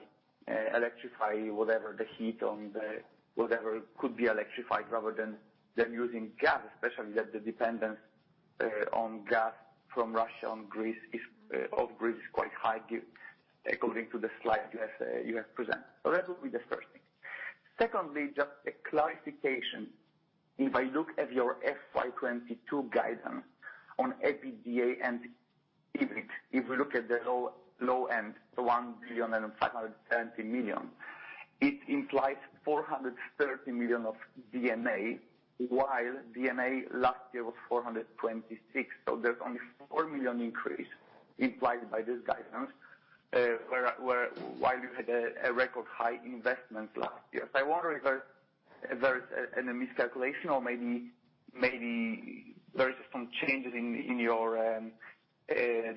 whatever the heat on the. Whatever could be electrified rather than using gas, especially that the dependence on gas from Russia and of Greece is quite high according to the slide you have presented. That would be the first thing. Secondly, just a clarification. If I look at your FY 2022 guidance on EBITDA and EBIT, if you look at the low end, the 1,570 million, it implies 430 million of DNA, while DNA last year was 426 million. There's only 4 million increase implied by this guidance, while you had a record high investment last year. I wonder if there is a miscalculation or maybe there is some changes in your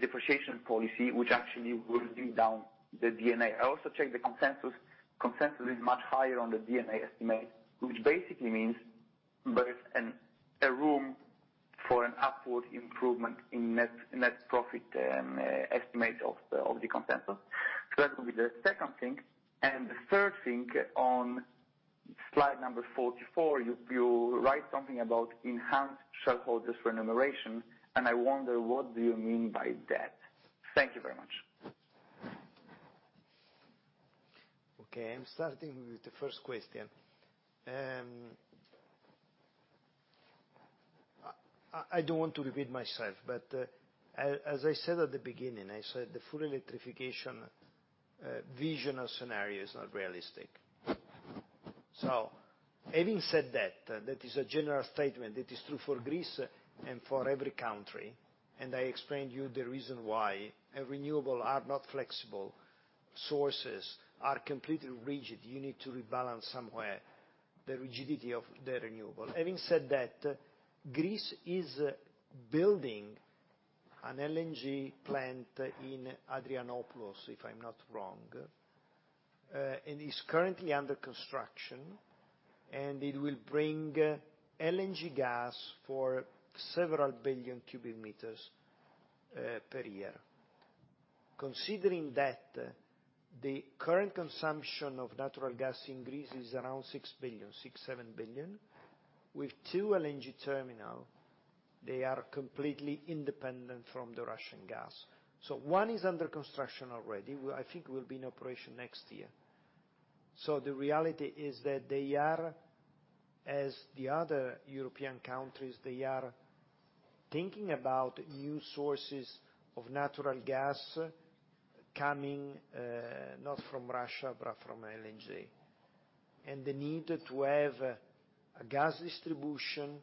depreciation policy which actually will bring down the DNA. I also checked the consensus. Consensus is much higher on the DNA estimate, which basically means there is a room for an upward improvement in net profit and estimate of the consensus. That will be the second thing. The third thing, on slide number 44, you write something about enhanced shareholders remuneration, and I wonder what do you mean by that? Thank you very much. Okay, I'm starting with the first question. I don't want to repeat myself, but, as I said at the beginning, I said the full electrification vision or scenario is not realistic. Having said that is a general statement. That is true for Greece and for every country, and I explained you the reason why. Renewables are not flexible sources, are completely rigid. You need to rebalance somewhere the rigidity of the renewables. Having said that, Greece is building an LNG plant in Alexandroupolis, if I'm not wrong, and it's currently under construction, and it will bring LNG gas for several billion cubic meters per year. Considering that the current consumption of natural gas in Greece is around 6-7 billion, with two LNG terminals, they are completely independent from the Russian gas. One is under construction already. I think will be in operation next year. The reality is that they are, as the other European countries, they are thinking about new sources of natural gas coming, not from Russia, but from LNG. The need to have a gas distribution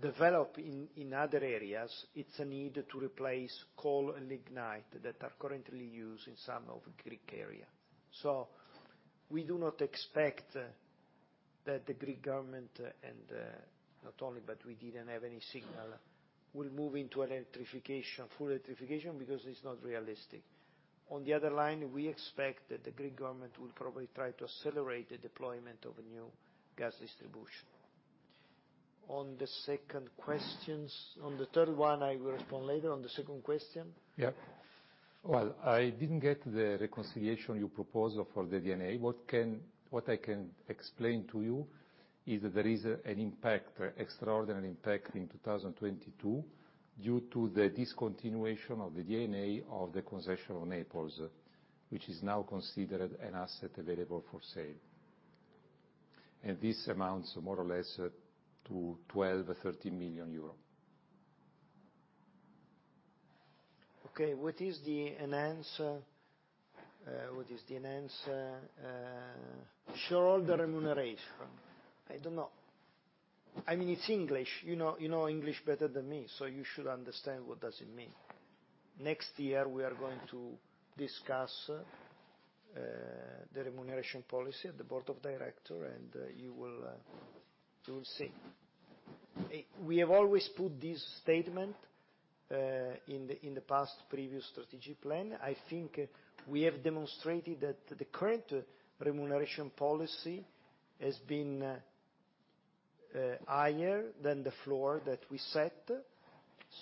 develop in other areas, it's a need to replace coal and lignite that are currently used in some of Greek area. We do not expect that the Greek government and, not only, but we didn't have any signal, will move into electrification, full electrification because it's not realistic. On the other hand, we expect that the Greek government will probably try to accelerate the deployment of a new gas distribution. On the second question. On the third one, I will respond later. On the second question? Yeah. Well, I didn't get the reconciliation you propose for the DNA. What I can explain to you is that there is an impact, extraordinary impact in 2022 due to the discontinuation of the DNA of the concession on Naples, which is now considered an asset available for sale. This amounts more or less to 12 million or 13 million euro. What is the enhanced shareholder remuneration? I don't know. I mean, it's English, you know, you know English better than me, so you should understand what does it mean. Next year we are going to discuss the remuneration policy at the board of director, and you will see. We have always put this statement in the past previous strategy plan. I think we have demonstrated that the current remuneration policy has been higher than the floor that we set.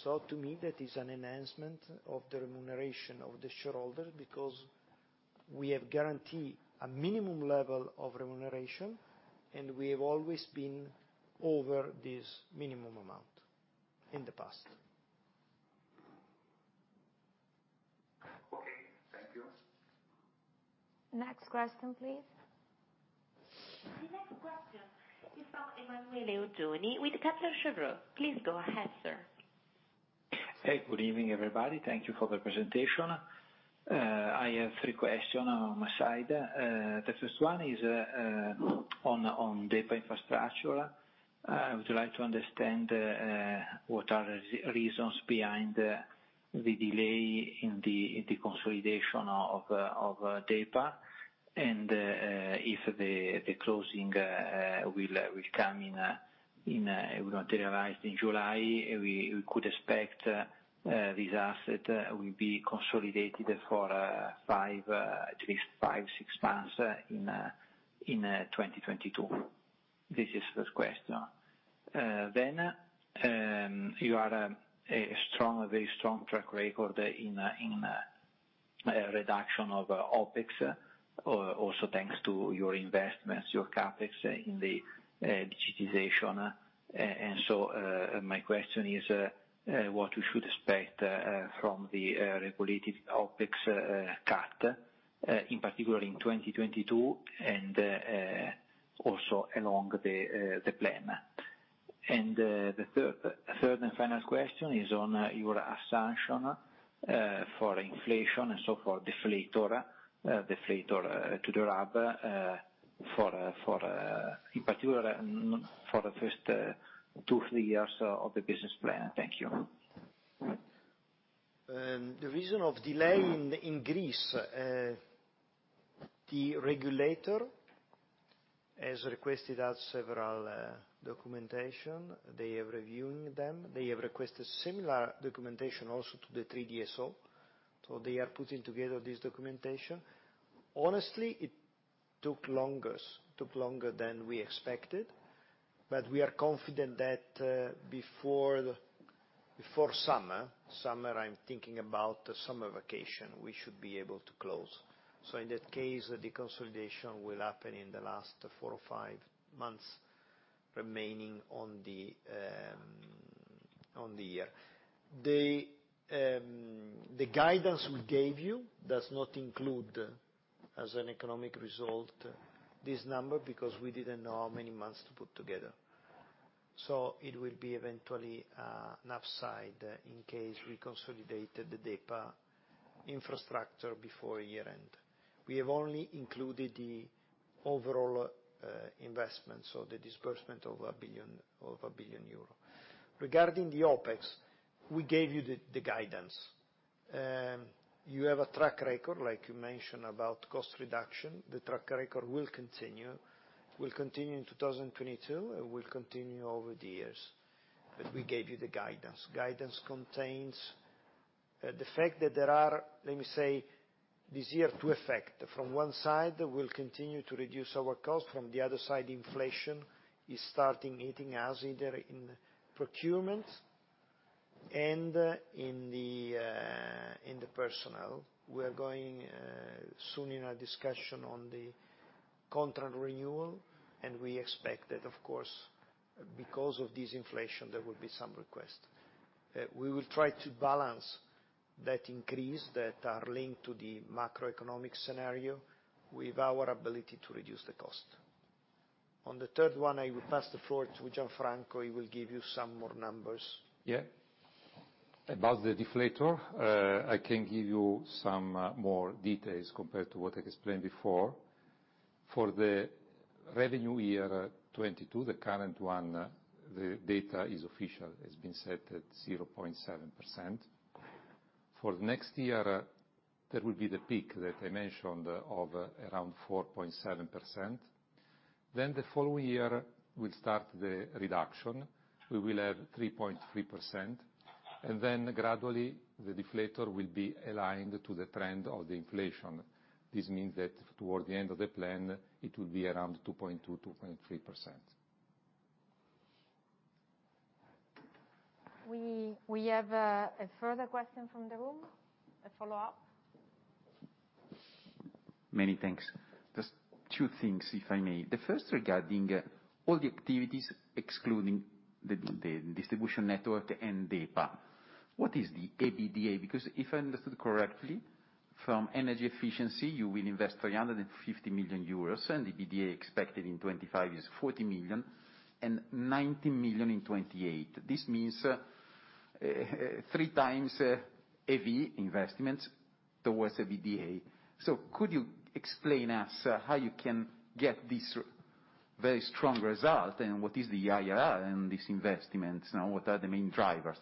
To me that is an enhancement of the remuneration of the shareholder because we have guaranteed a minimum level of remuneration, and we have always been over this minimum amount in the past. Okay. Thank you. Next question, please. The next question is from Emanuele Oggioni with Kepler Cheuvreux. Please go ahead, sir. Hey, good evening, everybody. Thank you for the presentation. I have three questions on my side. The first one is on DEPA Infrastructure. I would like to understand what are the reasons behind the delay in the consolidation of DEPA, and if the closing will materialize in July. We could expect this asset will be consolidated for at least five, six months in 2022. This is first question. Then, you have a strong, very strong track record in reduction of OpEx, also thanks to your investments, your CapEx in the digitization. My question is what we should expect from the regulatory OpEx cut, in particular in 2022 and also along the plan. The third and final question is on your assumption for inflation and so for deflator to the RAB, in particular for the first two, three years of the business plan. Thank you. The reason for the delay in Greece, the regulator has requested of us several documentation. They are reviewing them. They have requested similar documentation also to the three DSO. They are putting together this documentation. Honestly, it took longer than we expected, but we are confident that before summer, I'm thinking about the summer vacation, we should be able to close. In that case, the consolidation will happen in the last four or five months remaining of the year. The guidance we gave you does not include, as an economic result, this number, because we didn't know how many months to put together. It will be eventually an upside in case we consolidated the DEPA Infrastructure before year-end. We have only included the overall investment, so the disbursement of 1 billion euro. Regarding the OpEx, we gave you the guidance. You have a track record, like you mentioned, about cost reduction. The track record will continue in 2022, and will continue over the years. We gave you the guidance. Guidance contains the fact that there are, let me say, this year two effect. From one side, we'll continue to reduce our cost. From the other side, inflation is starting hitting us either in procurement and in the personnel. We are going soon in a discussion on the contract renewal, and we expect that, of course, because of this inflation, there will be some request. We will try to balance those increases that are linked to the macroeconomic scenario with our ability to reduce the costs. On the third one, I will pass the floor to Gianfranco. He will give you some more numbers. Yeah. About the deflator, I can give you some more details compared to what I explained before. For the revenue year 2022, the current one, the data is official. It's been set at 0.7%. For the next year, that will be the peak that I mentioned of around 4.7%. Then the following year, we'll start the reduction. We will have 3.3%. Gradually the deflator will be aligned to the trend of the inflation. This means that toward the end of the plan, it will be around 2.2.3%. We have a further question from the room, a follow up. Many thanks. Just two things, if I may. The first regarding all the activities excluding the distribution network and DEPA. What is the EBITDA? Because if I understood correctly, from energy efficiency, you will invest 350 million euros, and EBITDA expected in 2025 is 40 million and 19 million in 2028. This means 3 times EV investments towards EBITDA. Could you explain us how you can get this very strong result, and what is the IRR in these investments? And what are the main drivers?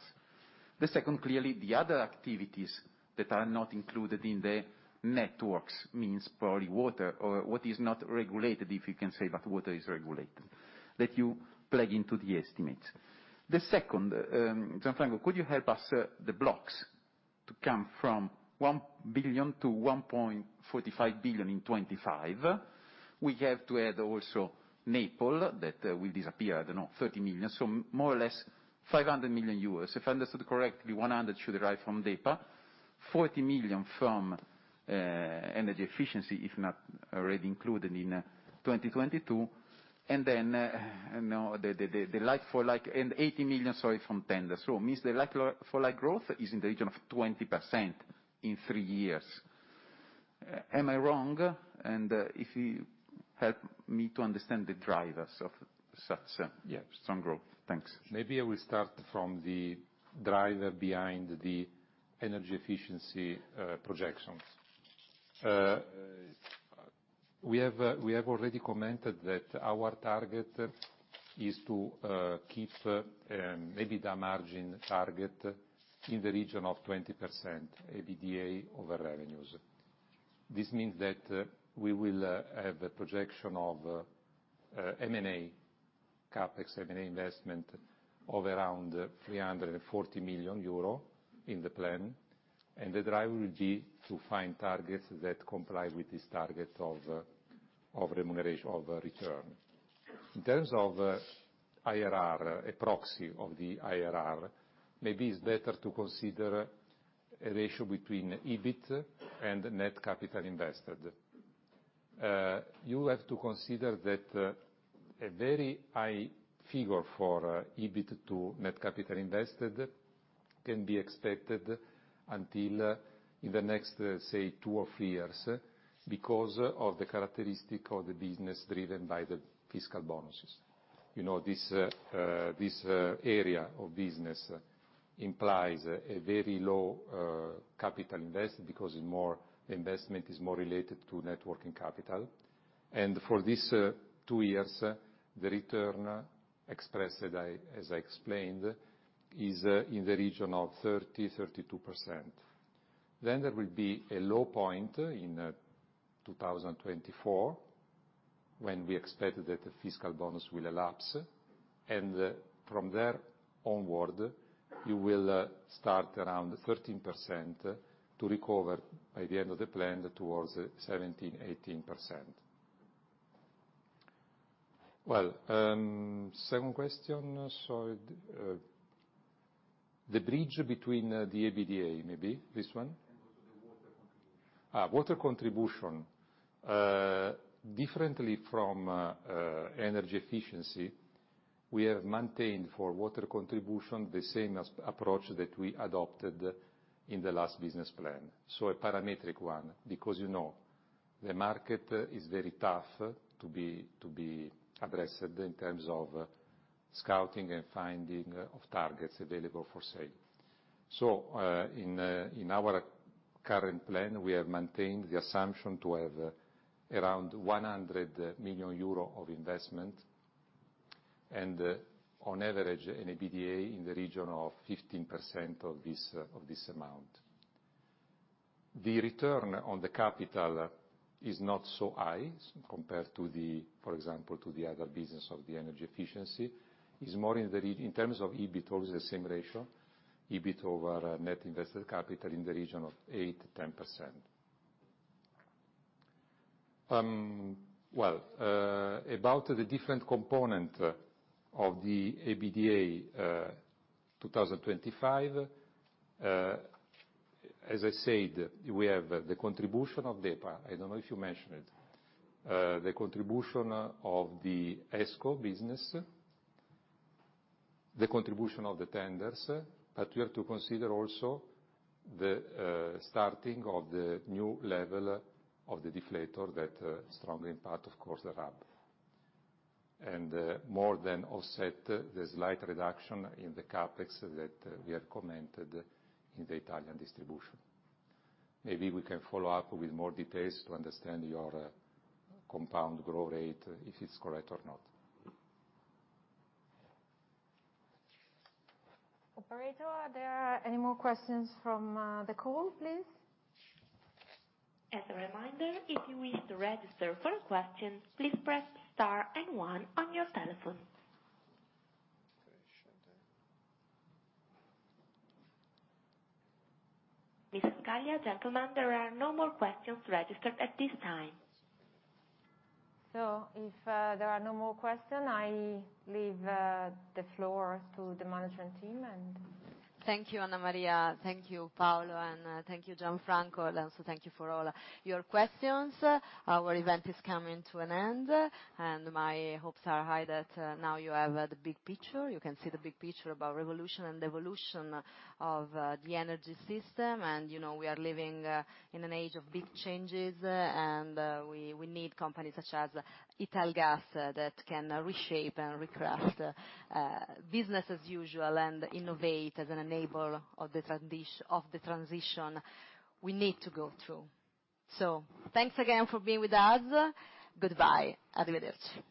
The second, clearly the other activities that are not included in the networks, means probably water or what is not regulated, if you can say that water is regulated, that you plug into the estimates. The second, Gianfranco, could you help us the CapEx to come from 1 billion to 1.45 billion in 2025? We have to add also Naples, that will disappear, I don't know, 30 million. More or less 500 million euros. If I understood correctly, 100 million should derive from DEPA, 40 million from energy efficiency, if not already included in 2022. Then the like for like and 80 million, sorry, from tenders. It means the like for like growth is in the region of 20% in 3 years. Am I wrong? If you help me to understand the drivers of such a strong growth. Thanks. Maybe I will start from the driver behind the energy efficiency projections. We have already commented that our target is to keep maybe the margin target in the region of 20% EBITDA over revenues. This means that we will have a projection of M&A CapEx, M&A investment of around 340 million euro in the plan. The driver will be to find targets that comply with this target of remuneration of return. In terms of IRR, a proxy of the IRR, maybe it's better to consider a ratio between EBIT and net capital invested. You have to consider that a very high figure for EBIT to net capital invested can be expected until in the next, say, two or three years because of the characteristic of the business driven by the fiscal bonuses. You know, this area of business implies a very low capital investment because more investment is more related to net working capital. For these two years, the return expressed as I explained is in the region of 30-32%. There will be a low point in 2024, when we expect that the fiscal bonus will elapse. From there onward, you will start around 13% to recover by the end of the plan towards 17%-18%. Well, second question. The bridge between the EBITDA, maybe this one. also the water contribution. Water contribution. Differently from energy efficiency, we have maintained for water contribution the same approach that we adopted in the last business plan. A parametric one, because, you know, the market is very tough to be addressed in terms of scouting and finding of targets available for sale. In our current plan, we have maintained the assumption to have around 100 million euro of investment. And on average, an EBITDA in the region of 15% of this amount. The return on the capital is not so high compared to, for example, the other business of the energy efficiency. It's more in terms of EBIT, always the same ratio, EBIT over net invested capital in the region of 8%-10%. About the different component of the EBITDA, 2025, as I said, we have the contribution of DEPA. I don't know if you mentioned it. The contribution of the ESCO business, the contribution of the tenders, but we have to consider also the starting of the new level of the deflator that strongly impact, of course, the hub. More than offset the slight reduction in the CapEx that we have commented in the Italian distribution. Maybe we can follow up with more details to understand your compound growth rate, if it's correct or not. Operator, are there any more questions from the call, please? As a reminder, if you wish to register for a question, please press star and one on your telephone. Okay, sure then. Ms. Scaglia, gentlemen, there are no more questions registered at this time. If there are no more questions, I leave the floor to the management team and. Thank you, Anna Maria. Thank you, Paolo, and thank you, Gianfranco. Also thank you for all your questions. Our event is coming to an end, and my hopes are high that now you have the big picture. You can see the big picture about Revolution and Evolution of the Energy System. You know we are living in an age of big changes, and we need companies such as Italgas that can reshape and recraft business as usual and innovate as an enabler of the transition we need to go through. Thanks again for being with us. Goodbye. Arrivederci.